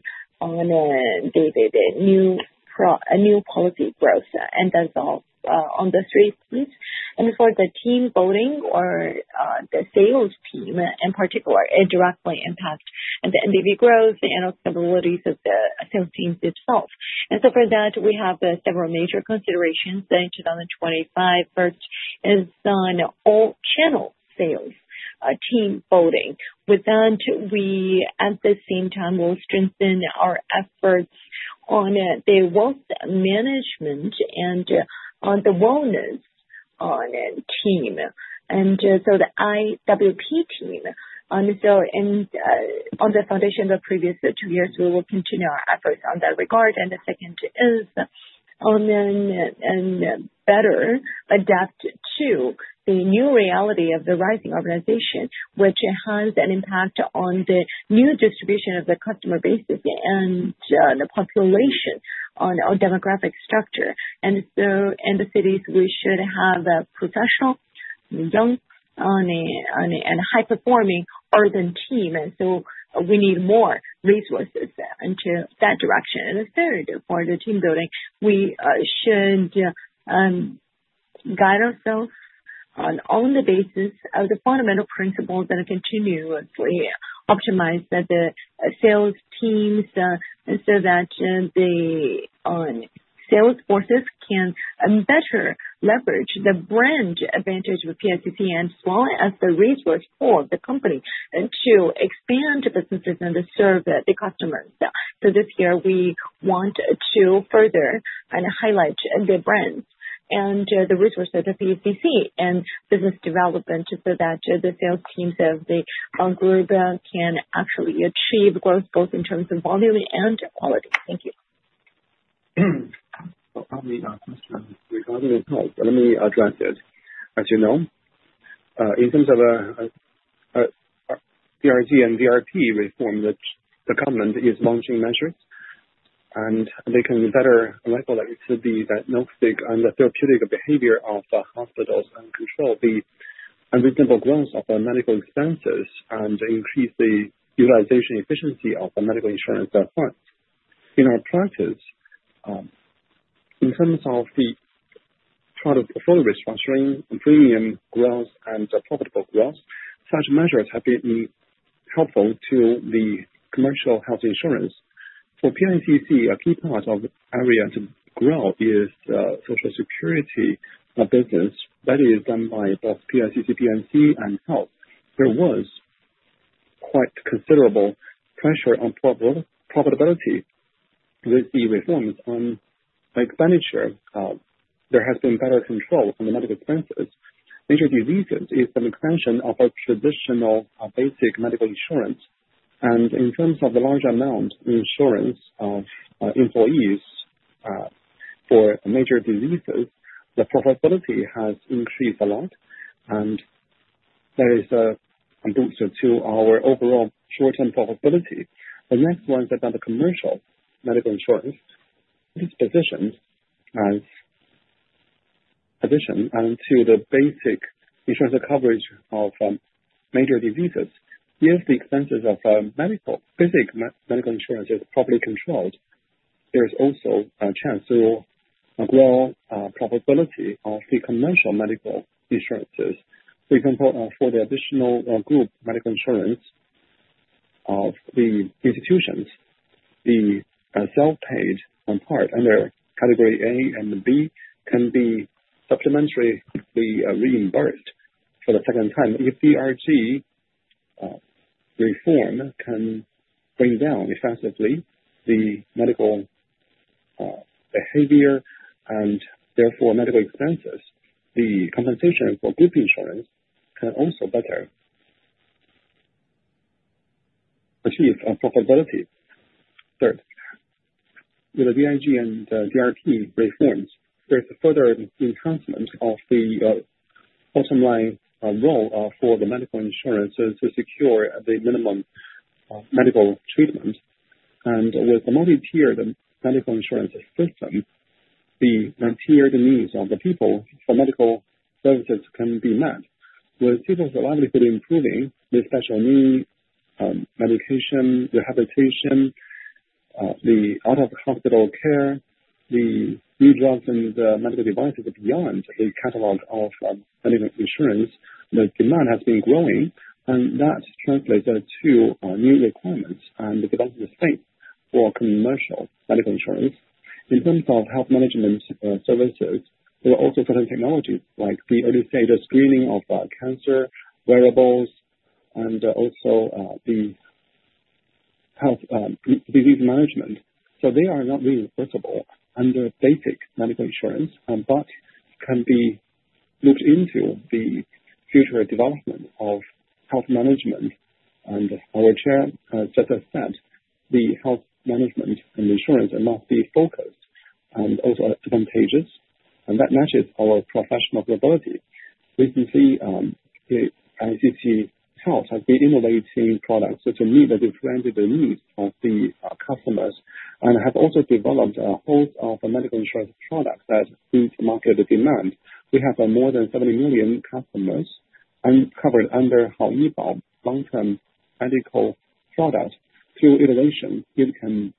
new policy growth. And on the third and for the team building of the sales team in particular, it directly impact the MDV growth and capabilities of the sales team itself. And so for that we have several major considerations in 2025. First is on all channel sales team building. With that, we at the same time will strengthen our efforts on the wealth management and on the wellness team and so the IWP team. So on the foundation the previous two years we will continue our efforts on that regard. And the second is and better adapt to the new reality of the rising organization which has an impact on the new distribution of the customer bases and the population, on our demographic structure. And so in the cities we should have a professional, young and high performing urban team. And so we need more resources into that direction. And third, for the team building we should guide ourselves on the basis of the fundamental principles that continuously optimize the sales teams so that the sales forces can better leverage the brand advantage of PICC and subsidiaries as the vehicles for the company to expand businesses and to serve the customers. So this year we want to further highlight the brands and the resources of the PICC and business development so that the sales teams of the group can actually achieve growth both in terms of volume and quality. Thank you. Let me address it. As you know, in terms of DRG and DIP reform, the government is launching measures and they can better regulate the diagnostic and the therapeutic behavior of hospitals and control the unreasonable growth of medical expenses and increase the utilization efficiency of medical insurance funds in our plan. In terms of the portfolio restructuring, premium growth and profitable growth, such measures have been helpful to the commercial health insurance for PICC. A key part of area to grow is Social Security business that is done by both PICC, P&C and PICC Health. There was quite considerable pressure on profitability with the reforms on expenditure there has been better control from the medical expenses. Major diseases is an expansion of a traditional basic medical insurance, and in terms of the large amount insurance of employees for major diseases, the profitability has increased a lot, and that is a boost to our overall short-term profitability. The next one is about the commercial medical insurance. This is positioned as a supplement to the basic insurance coverage of major diseases. If the expenses of medical and pharmaceutical medical insurance are properly controlled, there is also a chance to grow profitability of the commercial medical insurances. For example, for the additional group medical insurance of the institutions, the self-paid part under category A and B can be supplementally reimbursed for the second time. If DRG reform can bring down effectively the medical behavior and therefore medical expenses, the compensation for group insurance can also better achieve profitability. Third, with the BIG and DRG reforms, there is a further enhancement of the bottom line role for the medical insurance to secure the minimum medical treatment, and with the multi-tiered medical insurance system, the tiered needs of the people for medical services can be met, with people's livelihood improving with special needs, medication, rehabilitation, the out-of-hospital care, the new drugs and medical devices. Beyond a catalog of medical insurance, the demand has been growing, and that translates to new requirements and the development of space for commercial medical insurance. In terms of health management services, there are also certain technologies like the early-stage screening of cancer, wearables, and also the health disease management. So they are not reversible under basic medical insurance but can be looked into the future development of health management and our chair the health management and insurance must be focused and also advantageous and that matches our professional capability. Recently, PICC Health has been innovating products to meet the different needs of the customer and have also developed a host of medical insurance products that meet market demand. We have more than 70 million customers covered under Haoyibao long term medical products. Through iteration you can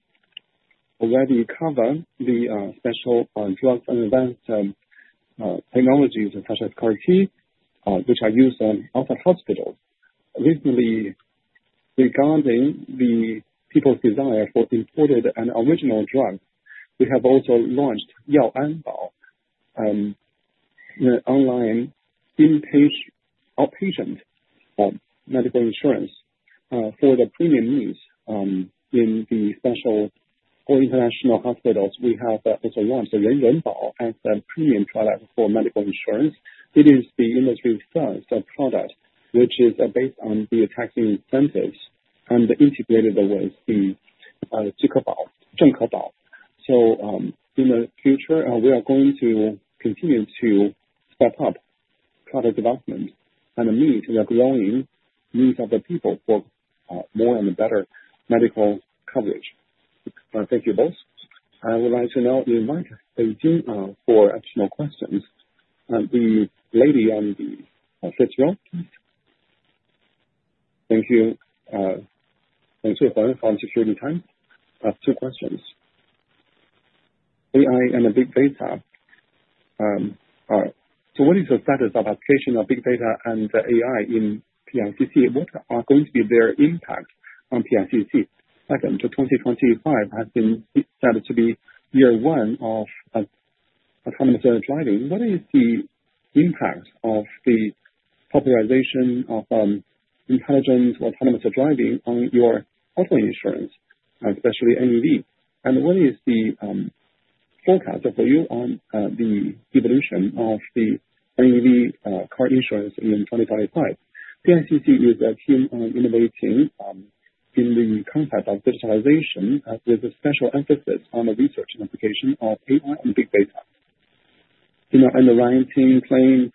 already cover the special drugs and advanced technologies such as CAR-T which are used on hospitals. Recently, regarding the people's desire for imported and original drugs, we have also launched online outpatient medical insurance for the premium needs in the special international hospitals. We have also launched Ren Ren Bao as a premium product for medical insurance. It is the industry first product which is based on the tax incentives and integrated with the so in the future we are going to continue to step up product development and meet the growing needs of the people for more and better medical coverage. Thank you both. I would like to now invite one more for additional questions. The lady on the line, thank you. Thanks. From Securities Times, I have two questions. AI and Big Data, so what is the status of application of big data and AI in PICC? What are going to be their impact on PICC? Second, to 2025 has been said to be year one of autonomous driving. What is the impact of the popularization of intelligent autonomous driving on your auto insurance, especially NEV? And what is the forecast for you on the evolution of the NEV car insurance in 2025? PICC is keen on innovating in the concept of digitalization with a special emphasis on the research and application of AI and big data underwriting, claims, planning,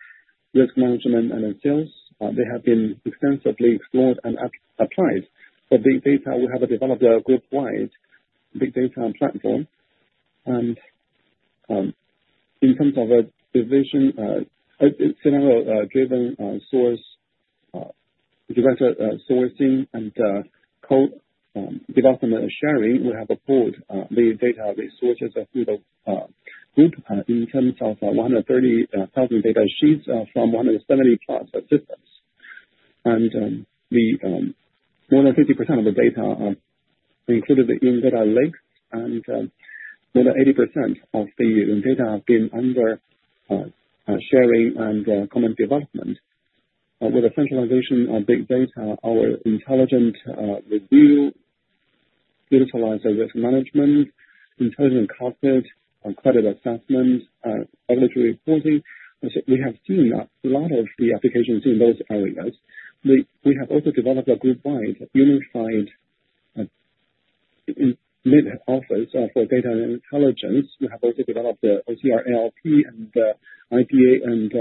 risk management and sales. They have been extensively explored and applied for big data. We have developed a group-wide big data platform and in terms of division, scenario-driven source sourcing and co-development sharing. We have pooled the data resources through the group in terms of 130,000 data sheets from over 70-plus systems and more than 50% of the data included in our data lakes and more than 80% of the data have been under sharing and common development with the centralization of big data. Our intelligent review utilization, risk management, intelligent cockpit credit assessment, audit reporting, we have seen a lot of the applications in those areas. We have also developed a group-wide unified mid-office for data intelligence. We have also developed the OCR, NLP and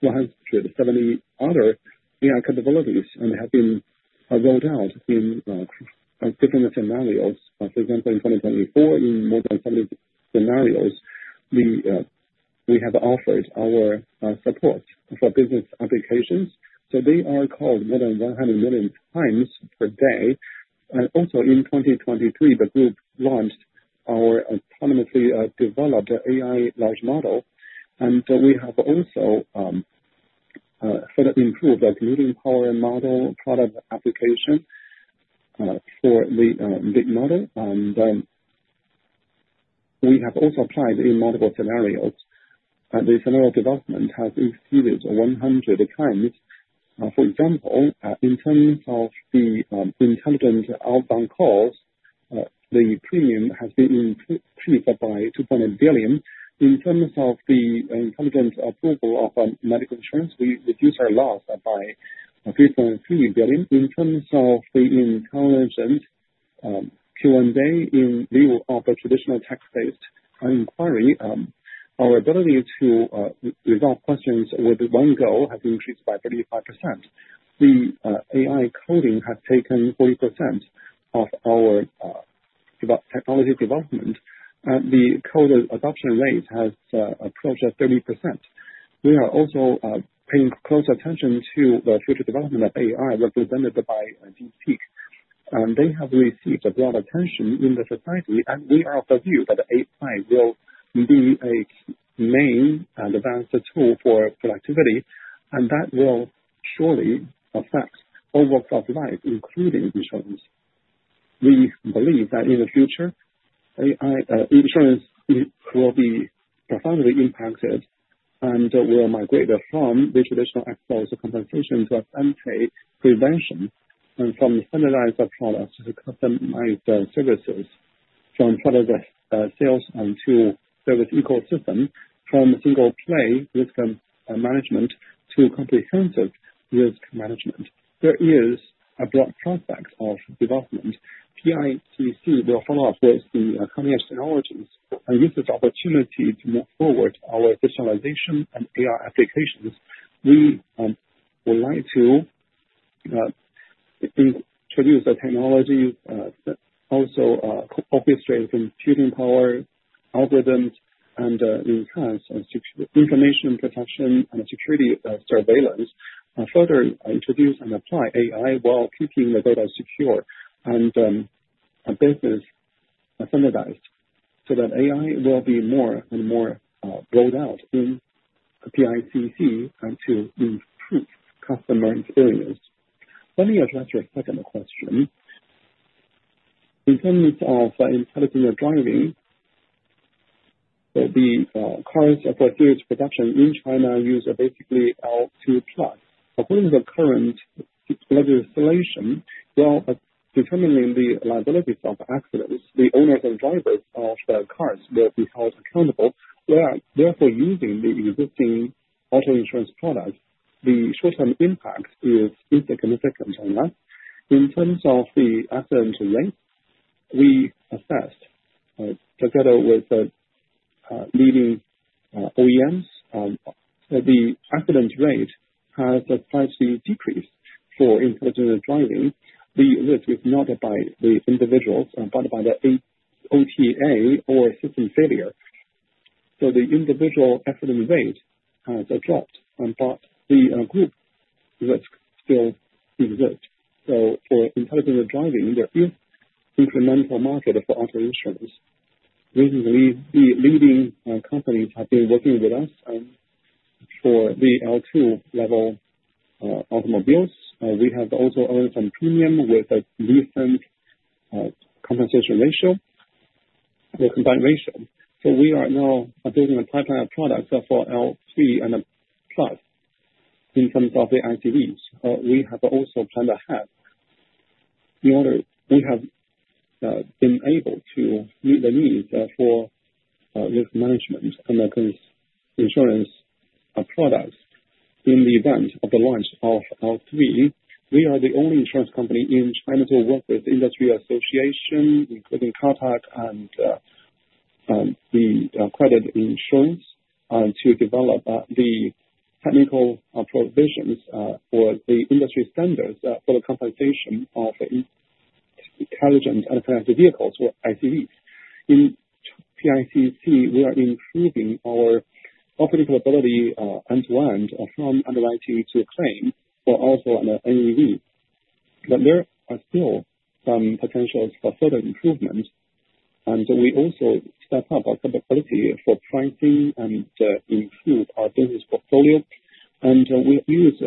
170 other AI capabilities and have been rolled out in different scenarios. For example, in 2024 in more than 70 scenarios we have offered our support for business applications so they are called more than 100 million times per day and also in 2023 the group launched our autonomously developed AI large model and we have also further improved the computing power model product application for the DIP model and we have also applied in multiple scenarios. The model development has exceeded 100 times. For example, in terms of the intelligent outbound calls, the premium has been increased by 2.8 billion. In terms of the intelligent approval of medical insurance, we reduced our loss by 3.3 billion. In terms of the intelligent Q&A wherein we will offer traditional text based inquiry. Our ability to resolve questions with one go has increased by 35%. The AI coding has taken 40% of our technology development. The code adoption rate has approached 30%. We are also paying close attention to the future development of AI represented by deepfake. They have received a broad attention in the society and we are of the view that AI will be a main and advanced tool for productivity and that will surely affect all walks of life, including insurance. We believe that in the future insurance will be profoundly impacted and will migrate from the traditional ex-post compensation to ex-ante prevention and from standardized products to customized services. From part of the sales and tech service ecosystem from single-point risk management to comprehensive risk management, there is a broad prospect of development. PICC will follow up with the coming of technologies and seize opportunities to move forward our digitalization and AI applications. We would like to introduce the technology also orchestrate computing power algorithms and enhance information protection and security surveillance. Further introduce and apply AI while keeping the data secure and business standardized so that AI will be more and more rolled out in PICC to improve customer experience. Let me address your second question in terms of intelligent driving, the cars for series production in China use basically L2 plus. According to the current legislation, while determining the liabilities of accidents, the owners and drivers of the cars will be held accountable. Therefore, using the existing auto insurance products, the short term impact is insignificant and less in terms of the accident length we assessed together with the leading OEMs, the accident rate has slightly decreased. For intelligent driving, the risk is not by the individuals but by the OTA or system failure. So the individual accident rate has dropped but the group risk still exists. So for intelligent driving there is incremental market for auto insurance. Recently the leading companies have been working with us for the L2 level automobiles. We have also earned some premium with a recent compensation ratio or combined ratio. We are now building a pipeline of products for L3 and Plus in terms of the ICVs. We have also planned ahead in order we have been able to meet the need for risk management and marine insurance products in the event of the launch of L3. We are the only insurance company in China to work with industry association including CATARC and the credit insurance to develop the technical provision or the industry standards for the compensation of intelligent connected vehicles or ICV. In PICC, we are improving our operating capability end-to-end from underwriting to claims or also NEV. But there are still some potential for further improvement and we also step up quality for pricing and improve our business portfolio, and we use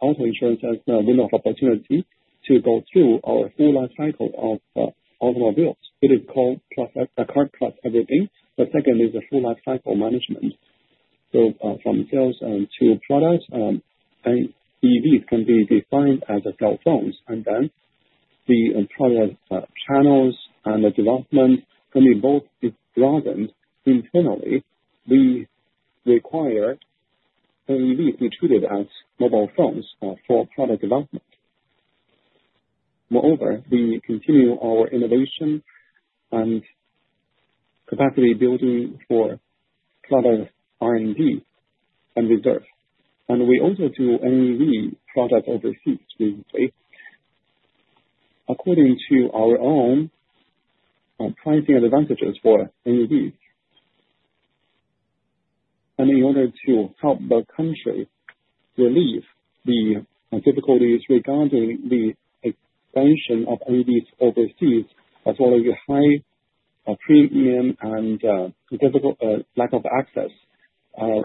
auto insurance as window of opportunity to go through our full life cycle of automobiles. It is called Car + Everything. The second is a full life cycle management. So from sales to products, EVs can be defined as cell phones and then the product channels and the device can be both broadened. Internally we require EVs be treated as mobile phones for product development. Moreover, we continue our innovation and capacity building for full-fledged R and D and reserve. And we also do NEV product overseas according to our own pricing advantages for NEV. And in order to help the country relieve the difficulties regarding the expansion of NEVs overseas as well as the high premium and difficult lack of access,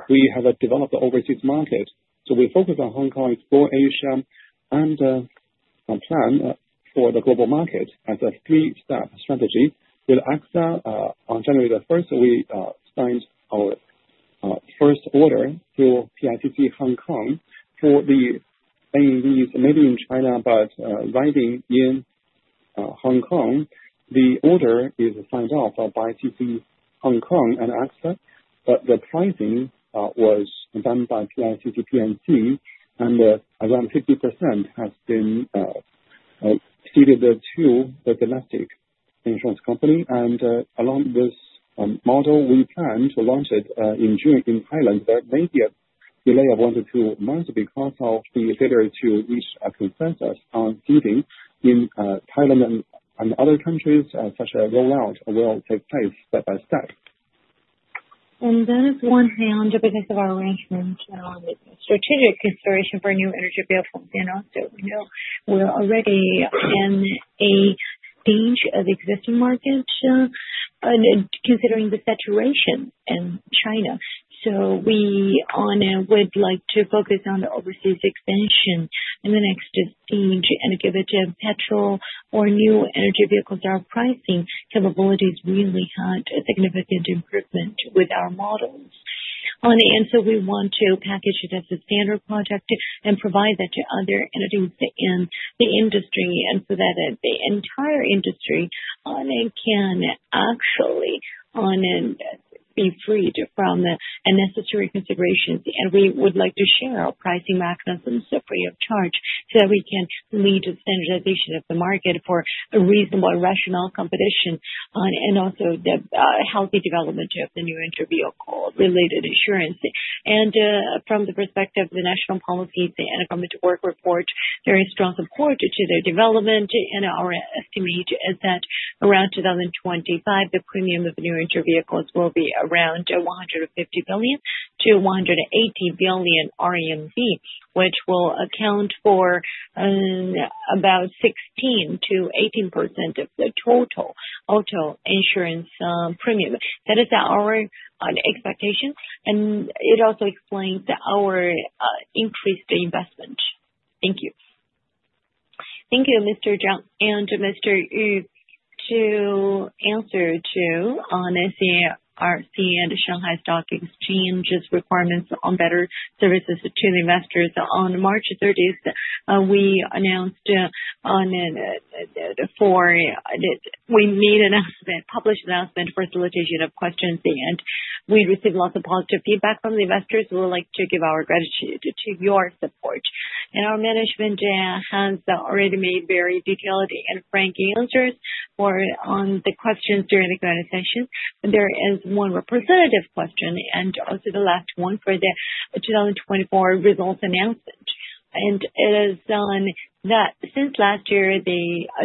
we have developed the overseas market. So we focus on Hong Kong, explore Asia and plan for the global market as a three step strategy with AXA. On January 1, we signed our first order through PICC Hong Kong for the NEVs. Maybe in China, but arriving in Hong Kong, the order is signed off by PICC Hong Kong and AXA. But the pricing was done by PICC P&C and around 50% has been ceded to the domestic insurance company. And along this model we plan to launch it in June in Thailand. There may be a delay of one to two months because of the failure to reach a consensus on ceding in Thailand and other countries such as rollout will take place step by step. That is on one hand because of our strategic consideration for new energy vehicle insurance. So we know we're already in a stage of the existing market considering the saturation in China. So we would like to focus on the overseas expansion and our pricing capabilities for petrol or new energy vehicles really have had a significant improvement with our models. We want to package it as a standard project and provide that to other entities in the industry and so that the entire industry can actually be freed from unnecessary considerations. And we would like to share our pricing mechanism free of charge so that we can lead to standardization of the market for a reasonable rational competition. And also the healthy development of the new energy vehicle related insurance. And from the perspective of the national policy the Government Work Report. There is strong support for their development and our estimate is that around 2025 the premium of new energy vehicles will be around 100-180 billion RMB which will account for about 16%-18% of the total auto insurance premium. That is our expectation and it also explains our increased investment. Thank you. Thank you, Mr. Zhang and Mr. Yu. To answer honestly and Shanghai Stock Exchange's requirements on better services to the investors. On March 30, we made an announcement published for solicitation of questions and we received lots of positive feedback from the investors. We would like to give our gratitude for your support. Our management has already made very detailed and frank answers for the questions during the session. There is one representative question and also the last one for the 2024 results announcement, and it is that since last year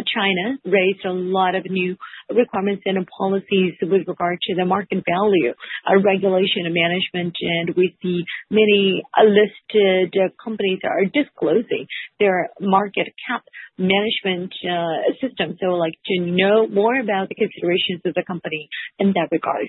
China raised a lot of new requirements and policies with regard to the market value regulation and management, and we see many listed companies are disclosing their market cap management system, so like to know more about the considerations of the company in that regard.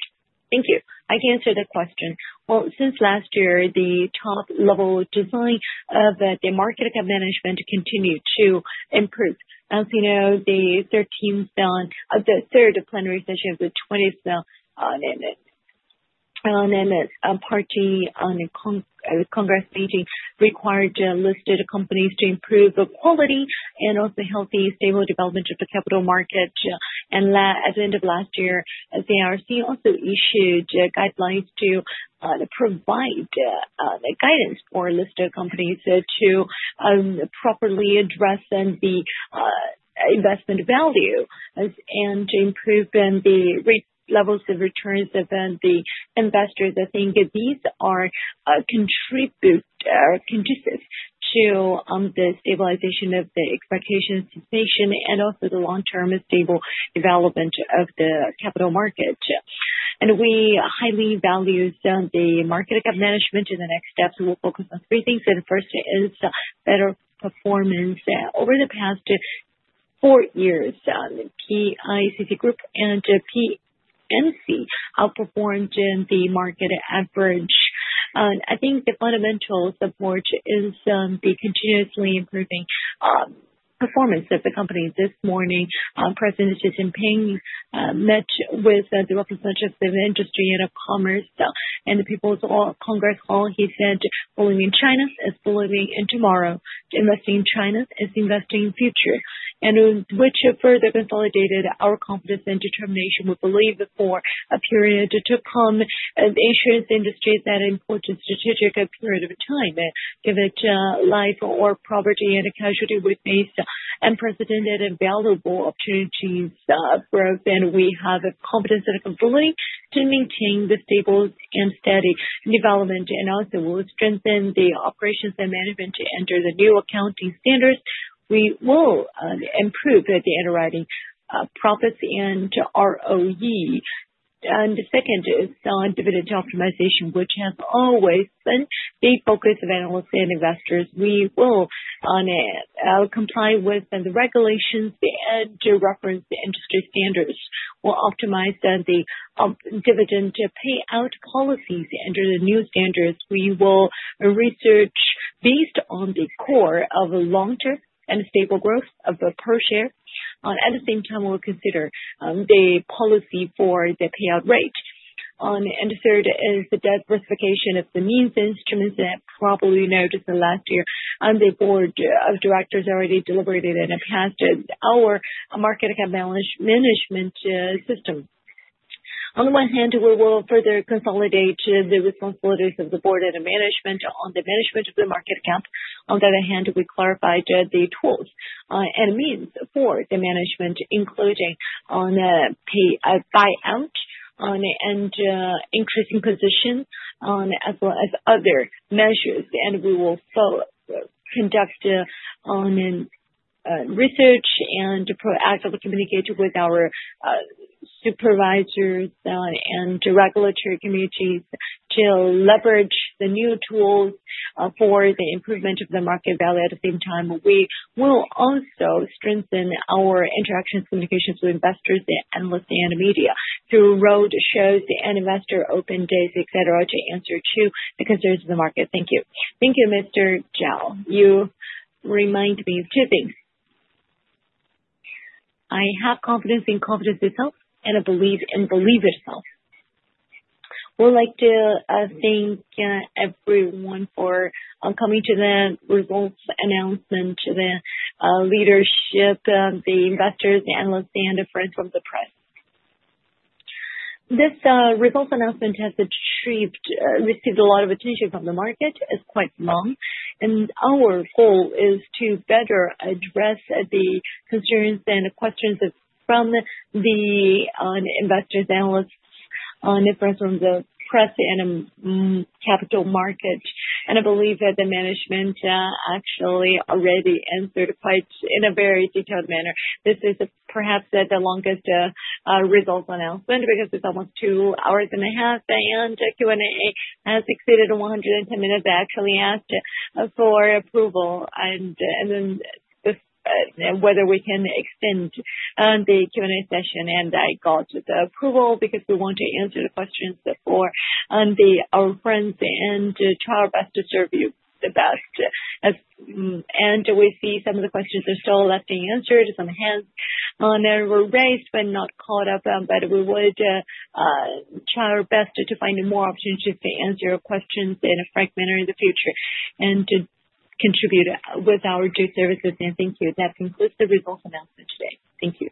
Thank you. I can answer that question. Well, since last year the top level design of the market cap management continue to improve. As you know, the Third Plenary Session of the 20th Central Committee of the Communist Party of China required listed companies to improve quality and also healthy stable development of the capital market. At the end of last year the CSRC also issued guidelines to provide guidance for listed companies to properly address the investment value and improve the levels of returns of the investors. I think these are contributors conducive to the stabilization of the expectations and also the long term stable development of the capital market. We highly value the market cap management. In the next steps we'll focus on three things and first is better performance. Over the past four years PICC Group and PICC P&C outperformed in the market average. I think the fundamentals of the market is the continuously improving performance of the company. This morning President Xi Jinping met with the representatives of the industry and commerce and the People's Congress Hall. He said believing in China is believing in tomorrow. Investing in China is investing in the future which further consolidated our confidence and determination. We believe for a period to come, the insurance industry, that for the strategic period of time, given life or property and casualty, we face unprecedented valuable opportunities growth, and we have a competence and capability to maintain the stable and steady development. Also, we'll strengthen the operations and management to adapt to the new accounting standards. We will improve the underwriting profits and ROE. The second is dividend optimization, which has always been the focus of analysts and investors. We will comply with the regulations and, referencing industry standards, will optimize the dividend payout policies under the new standards. We will research based on the core of long-term and stable growth of the per share. At the same time, we'll consider the policy for the payout rate. And third is the diversification of the means instruments that probably noticed last year. The board of directors already deliberated and passed our market value management system. On the one hand, we will further consolidate the responsibilities of the board and management on the management of the market cap. On the other hand, we will clarify the tools and means for the management including buyout and increasing position as well as other measures. And we will conduct ongoing research and proactively communicate with our supervisors and regulatory committees to leverage the new tools for the improvement of the market value. At the same time, we will also strengthen our interactions communications with investors, analysts and media through road shows and investor open days, etc. To answer to the concerns of the market. Thank you. Thank you, Mr. Zhao. You remind me of two things. I have confidence in confidence itself and I believe in belief itself. We'd like to thank everyone for coming to the results announcement: the leadership, the investors, analysts and the friends of the press. This results announcement has achieved a lot of attention from the market. It's quite long and our goal is to better address the concerns and questions from the investors, analysts, the press and capital market. I believe that the management actually already answered quite in a very detailed manner. This is perhaps the longest results announcement because it's almost two and a half hours and Q&A has exceeded 110 minutes. Actually asked for approval and then whether we can extend the Q&A session, and I got the approval because we want to answer the questions for our friends and try our best to serve you the best, and we see some of the questions are still left unanswered. Some hands they were raised but not caught up. But we would try our best to find more options if they answer your questions in a frank manner in the future and to contribute with our due services, and thank you. That concludes the results announcement today. Thank you.